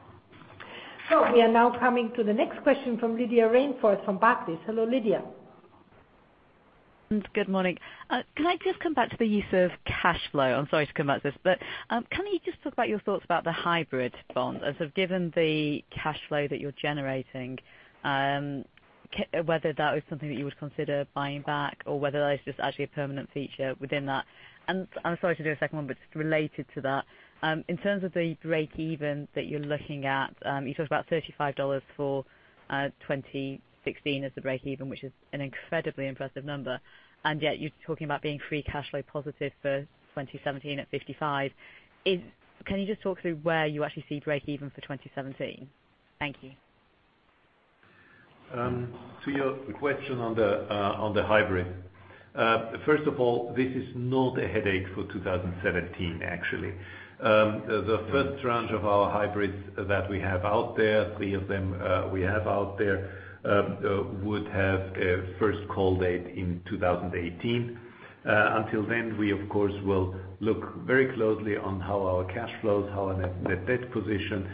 We are now coming to the next question from Lydia Rainforth from Barclays. Hello, Lydia. Good morning. Can I just come back to the use of cash flow? I'm sorry to come back to this, but can you just talk about your thoughts about the hybrid bonds as of given the cash flow that you're generating, whether that was something that you would consider buying back or whether that is just actually a permanent feature within that? I'm sorry to do a second one, but just related to that, in terms of the breakeven that you're looking at, you talked about $35 for 2016 as the breakeven, which is an incredibly impressive number, and yet you're talking about being free cash flow positive for 2017 at $55. Can you just talk through where you actually see breakeven for 2017? Thank you. To your question on the hybrid. First of all, this is not a headache for 2017, actually. The first tranche of our hybrids that we have out there, three of them we have out there, would have first call date in 2018. Until then, we, of course, will look very closely on how our cash flows, how the debt position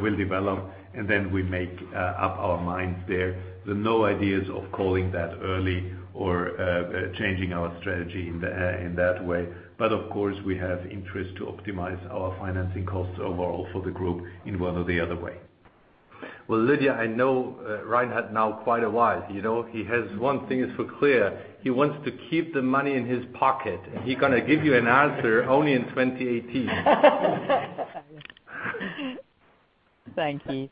will develop, and then we make up our minds there. There are no ideas of calling that early or changing our strategy in that way. Of course, we have interest to optimize our financing costs overall for the group in one or the other way. Well, Lydia, I know Reinhard now quite a while. One thing is for clear, he wants to keep the money in his pocket, he going to give you an answer only in 2018. Thank you.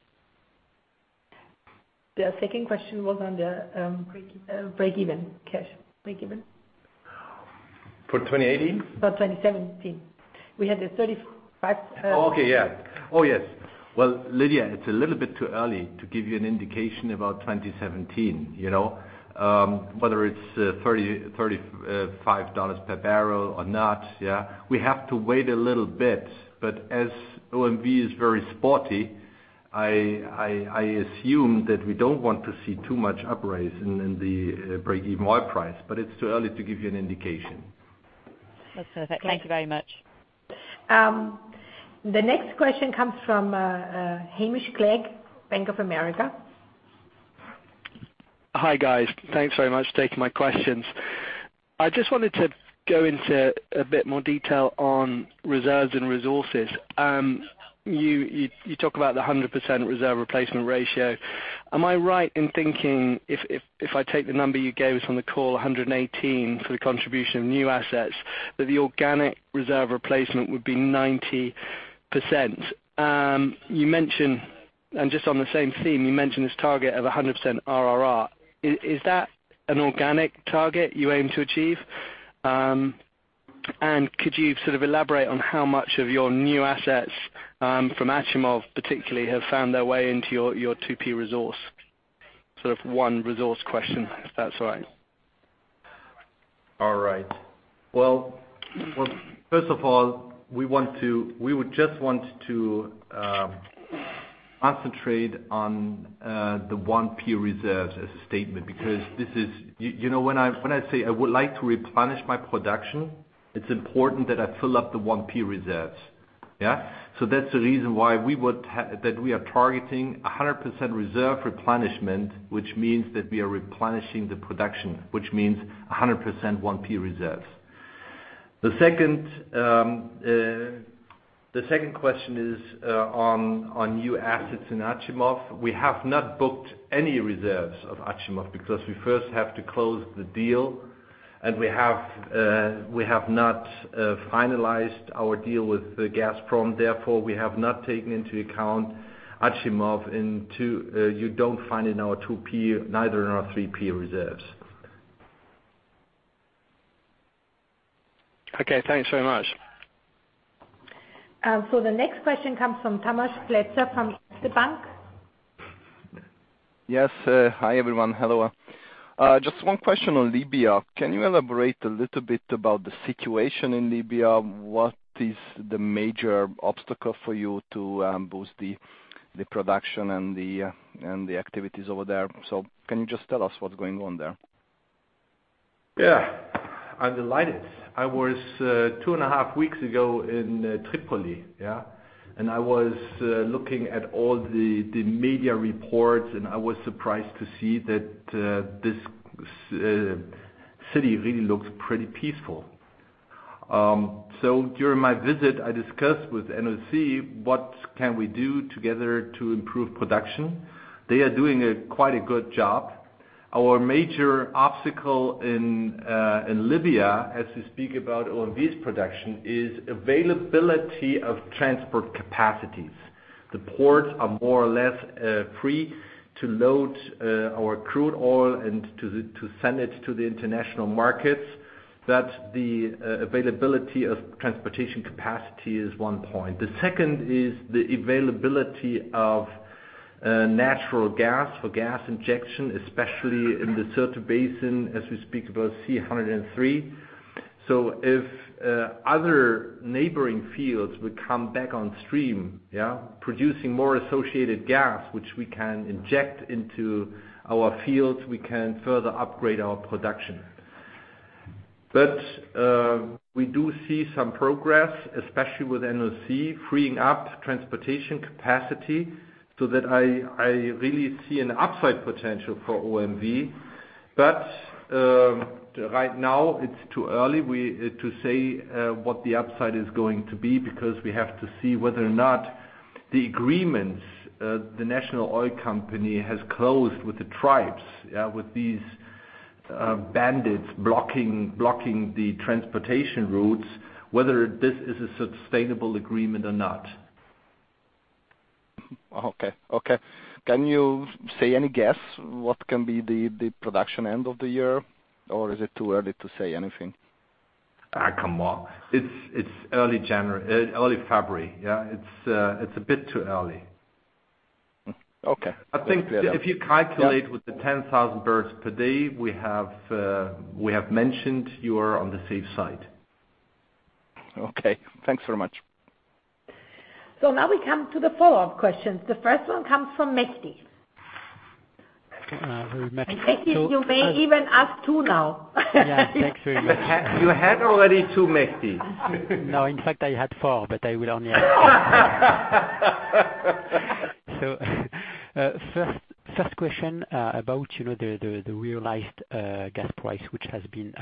The second question was on the breakeven cash. Breakeven. For 2018? For 2017. We had the 35- Okay. Yes. Lydia, it's a little bit too early to give you an indication about 2017. Whether it's $35 per barrel or not. We have to wait a little bit. As OMV is very sporty, I assume that we don't want to see too much upraise in the breakeven oil price, it's too early to give you an indication. That's perfect. Thank you very much. The next question comes from Hamish Clegg, Bank of America. Hi, guys. Thanks very much for taking my questions. I just wanted to go into a bit more detail on reserves and resources. You talk about the 100% reserve replacement ratio. Am I right in thinking if I take the number you gave us on the call, 118 for the contribution of new assets, that the organic reserve replacement would be 90%? Just on the same theme, you mentioned this target of 100% RRR. Is that an organic target you aim to achieve? Could you elaborate on how much of your new assets from Achimov particularly have found their way into your 2P resource? One resource question, if that's all right. All right. Well, first of all, we would just want to concentrate on the 1P reserves as a statement, because when I say I would like to replenish my production, it's important that I fill up the 1P reserves. Yeah? That's the reason why that we are targeting 100% reserve replenishment, which means that we are replenishing the production, which means 100% 1P reserves. The second question is on new assets in Achimov. We have not booked any reserves of Achimov because we first have to close the deal, and we have not finalized our deal with Gazprom. Therefore, we have not taken into account Achimov, and you don't find in our 2P, neither in our 3P reserves. Okay, thanks very much. The next question comes from Tamás Pletser from Erste Bank. Yes. Hi, everyone. Hello. Just one question on Libya. Can you elaborate a little bit about the situation in Libya? What is the major obstacle for you to boost the production and the activities over there? Can you just tell us what's going on there? Yeah, I'm delighted. I was two and a half weeks ago in Tripoli. I was looking at all the media reports, and I was surprised to see that this city really looks pretty peaceful. During my visit, I discussed with NOC, what can we do together to improve production. They are doing quite a good job. Our major obstacle in Libya, as we speak about OMV's production, is availability of transport capacities. The ports are more or less free to load our crude oil and to send it to the international markets. The availability of transportation capacity is one point. The second is the availability of natural gas for gas injection, especially in the Sirte Basin, as we speak about C-103. If other neighboring fields would come back on stream, producing more associated gas, which we can inject into our fields, we can further upgrade our production. We do see some progress, especially with NOC, freeing up transportation capacity, so that I really see an upside potential for OMV. Right now it's too early to say what the upside is going to be, because we have to see whether or not the agreements the National Oil Company has closed with the tribes, with these bandits blocking the transportation routes, whether this is a sustainable agreement or not. Okay. Can you say any guess what can be the production end of the year, or is it too early to say anything? Come on. It's early February. It's a bit too early. Okay. I think if you calculate with the 10,000 barrels per day we have mentioned, you are on the safe side. Okay. Thanks very much. Now we come to the follow-up questions. The first one comes from Mehdi. Okay. Mehdi, you may even ask two now. Yes, thanks very much. You had already two, Mehdi. No, in fact, I had four. I will only ask two. First question about the realized gas price, which has been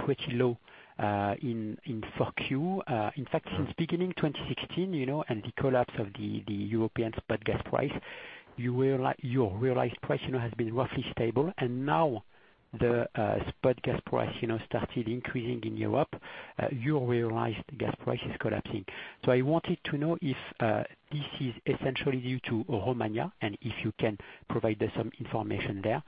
pretty low in 4Q. In fact, since beginning 2016, the collapse of the European spot gas price, your realized price has been roughly stable. Now the spot gas price started increasing in Europe, your realized gas price is collapsing. I wanted to know if this is essentially due to Romania, and if you can provide us some information there.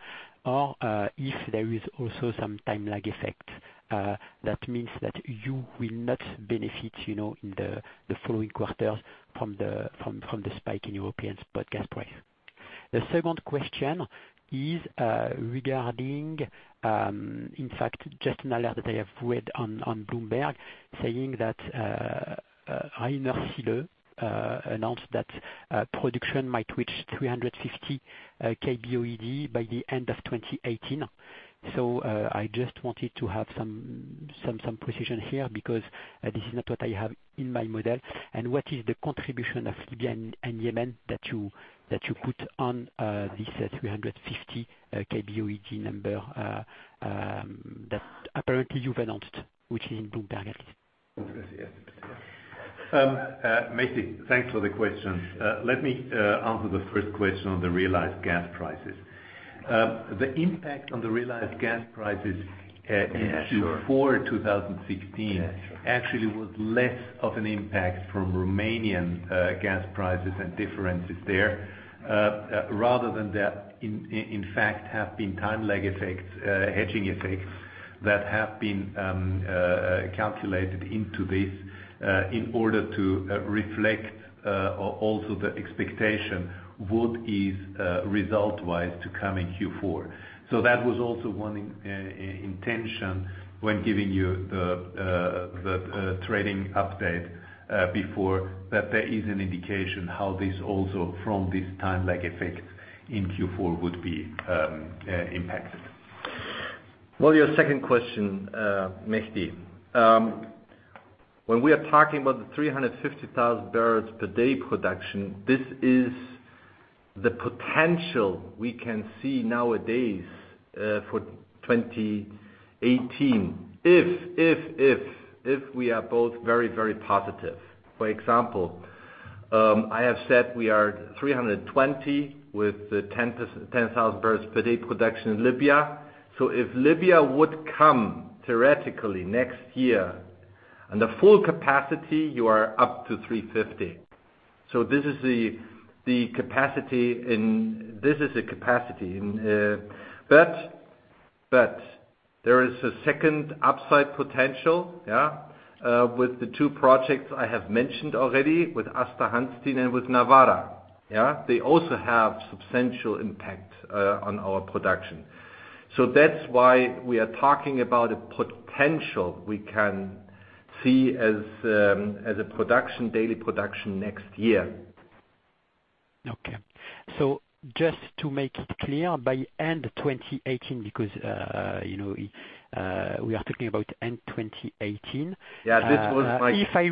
If there is also some time lag effect, that means that you will not benefit in the following quarters from the spike in European spot gas price. The second question is regarding, in fact, just an alert that I have read on Bloomberg, saying that Rainer Seele announced that production might reach 350 kboe/d by the end of 2018. I just wanted to have some precision here, because this is not what I have in my model. What is the contribution of Libya and Yemen that you put on this 350 kboe/d number that apparently you've announced, which is in Bloomberg at least? Mehdi, thanks for the questions. Let me answer the first question on the realized gas prices. The impact on the realized gas prices. Yeah, sure into Q4 2016 actually was less of an impact from Romanian gas prices and differences there, rather than there in fact have been time lag effects, hedging effects that have been calculated into this, in order to reflect also the expectation, what is result-wise to come in Q4. That was also one intention when giving you the trading update before, that there is an indication how this also from this time lag effect in Q4 would be impacted. Well, your second question, Mehdi. When we are talking about the 350,000 barrels per day production, this is the potential we can see nowadays for 2018. If we are both very positive. For example, I have said we are 320 with the 10,000 barrels per day production in Libya. If Libya would come theoretically next year on the full capacity, you are up to 350. This is the capacity. There is a second upside potential. With the two projects I have mentioned already with Aasta Hansteen and with Nawara. They also have substantial impact on our production. That's why we are talking about a potential we can see as a daily production next year. Okay. Just to make it clear, by end of 2018, because we are talking about end of 2018. Yeah. If I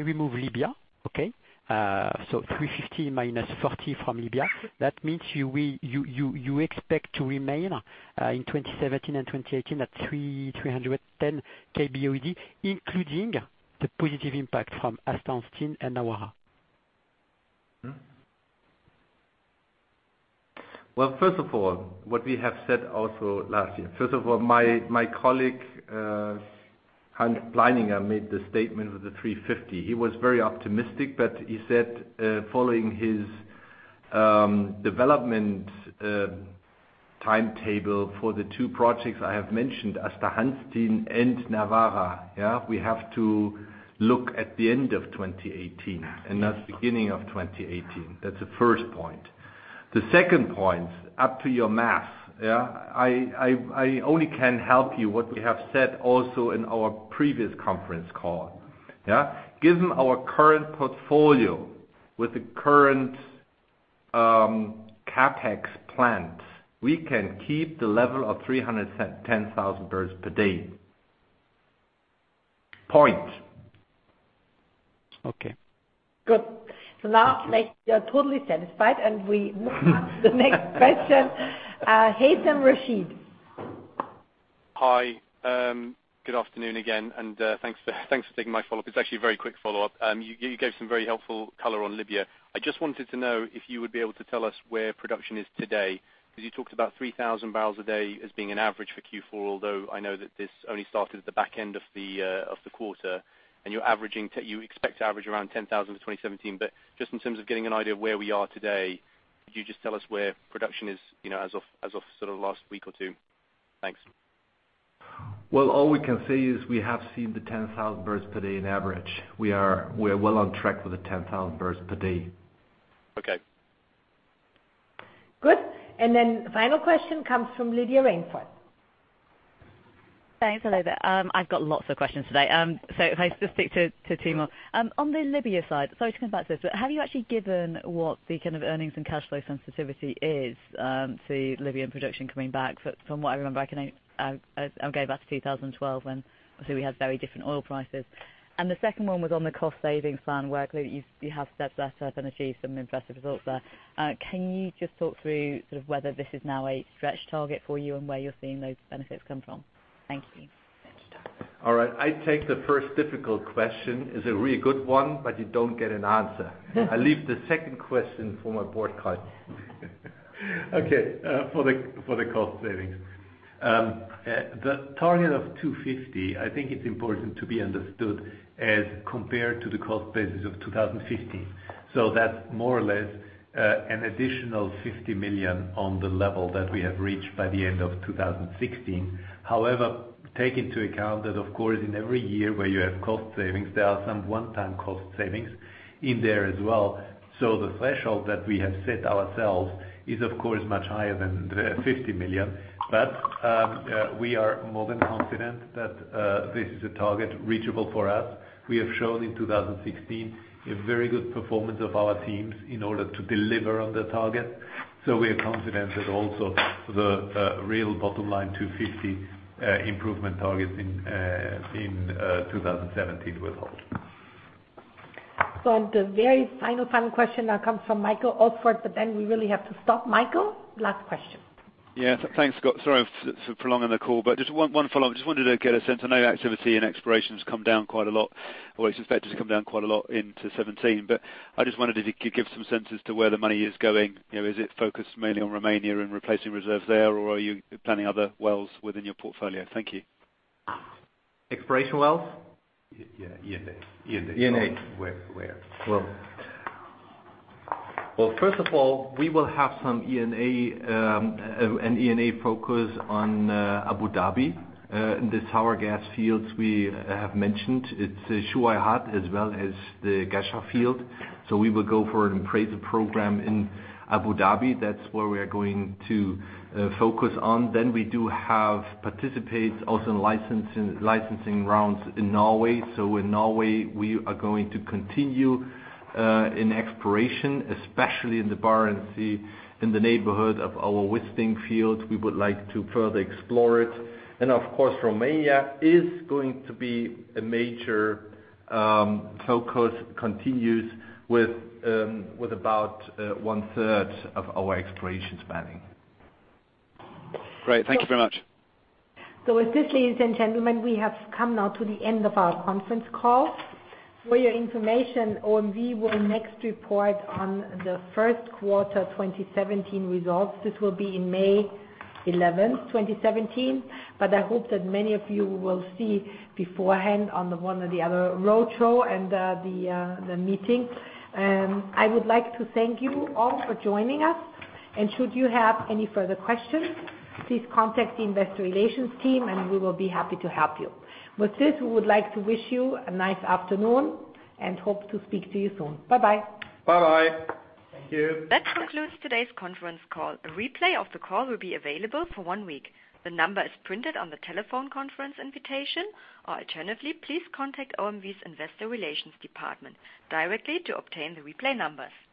remove Libya, okay, 350 minus 40 from Libya, that means you expect to remain in 2017 and 2018 at 310 KBOEPD, including the positive impact from Aasta Hansteen and Nawara. First of all, what we have said also last year. First of all, my colleague, Johann Pleininger, made the statement with the 350. He was very optimistic, he said, following his development timetable for the two projects I have mentioned, Aasta Hansteen and Nawara, we have to look at the end of 2018 and not the beginning of 2018. That's the first point. The second point, up to your math, I only can help you what we have said also in our previous conference call. Given our current portfolio with the current CapEx plans, we can keep the level of 310,000 barrels per day. Point. Okay. Good. Now, you are totally satisfied, and we move on to the next question. Haythem Rashed. Hi. Good afternoon again, thanks for taking my follow-up. It's actually a very quick follow-up. You gave some very helpful color on Libya. I just wanted to know if you would be able to tell us where production is today, because you talked about 3,000 barrels a day as being an average for Q4, although I know that this only started at the back end of the quarter. You expect to average around 10,000 for 2017. Just in terms of getting an idea of where we are today, could you just tell us where production is as of the last week or two? Thanks. All we can say is we have seen the 10,000 barrels per day on average. We are well on track for the 10,000 barrels per day. Okay. Good. Final question comes from Lydia Rainforth. Thanks. Hello there. I've got lots of questions today. If I just stick to two more. On the Libya side, sorry to come back to this, but have you actually given what the kind of earnings and cash flow sensitivity is to Libyan production coming back? From what I remember, I can only go back to 2012 when obviously we had very different oil prices. The second one was on the cost-savings plan work. You have stepped that up and achieved some impressive results there. Can you just talk through whether this is now a stretch target for you and where you're seeing those benefits come from? Thank you. All right. I take the first difficult question. It's a really good one, but you don't get an answer. I leave the second question for my board colleague. Okay. For the cost savings. The target of 250, I think it's important to be understood as compared to the cost basis of 2015. That's more or less an additional 50 million on the level that we have reached by the end of 2016. However, take into account that, of course, in every year where you have cost savings, there are some one-time cost savings in there as well. The threshold that we have set ourselves is, of course, much higher than the 50 million. We are more than confident that this is a target reachable for us. We have shown in 2016 a very good performance of our teams in order to deliver on the target. We are confident that also the real bottom line 250 improvement target in 2017 will hold. The very final question now comes from Michael Alsford. We really have to stop. Michael, last question. Yeah. Thanks. Sorry for prolonging the call. Just one follow-up. Just wanted to get a sense. I know activity and exploration has come down quite a lot, or it is expected to come down quite a lot into 2017. I just wondered if you could give some sense as to where the money is going. Is it focused mainly on Romania and replacing reserves there, or are you planning other wells within your portfolio? Thank you. Exploration wells? Yeah, E&A. E&A. Where? First of all, we will have some E&A focus on Abu Dhabi. In the sour gas fields we have mentioned. It's Shuwaihat as well as the Ghasha field. We will go for an appraisal program in Abu Dhabi. That's where we are going to focus on. We do have participates also in licensing rounds in Norway. In Norway, we are going to continue in exploration, especially in the Barents Sea, in the neighborhood of our Wisting field. We would like to further explore it. Of course, Romania is going to be a major focus, continues with about one-third of our exploration spending. Great. Thank you very much. With this, ladies and gentlemen, we have come now to the end of our conference call. For your information, OMV will next report on the first quarter 2017 results. This will be on May 11, 2017. I hope that many of you will see beforehand on the one or the other roadshow and the meeting. I would like to thank you all for joining us. Should you have any further questions, please contact the investor relations team and we will be happy to help you. With this, we would like to wish you a nice afternoon and hope to speak to you soon. Bye-bye. Bye-bye. Thank you. That concludes today's conference call. A replay of the call will be available for one week. The number is printed on the telephone conference invitation, or alternatively, please contact OMV's investor relations department directly to obtain the replay numbers.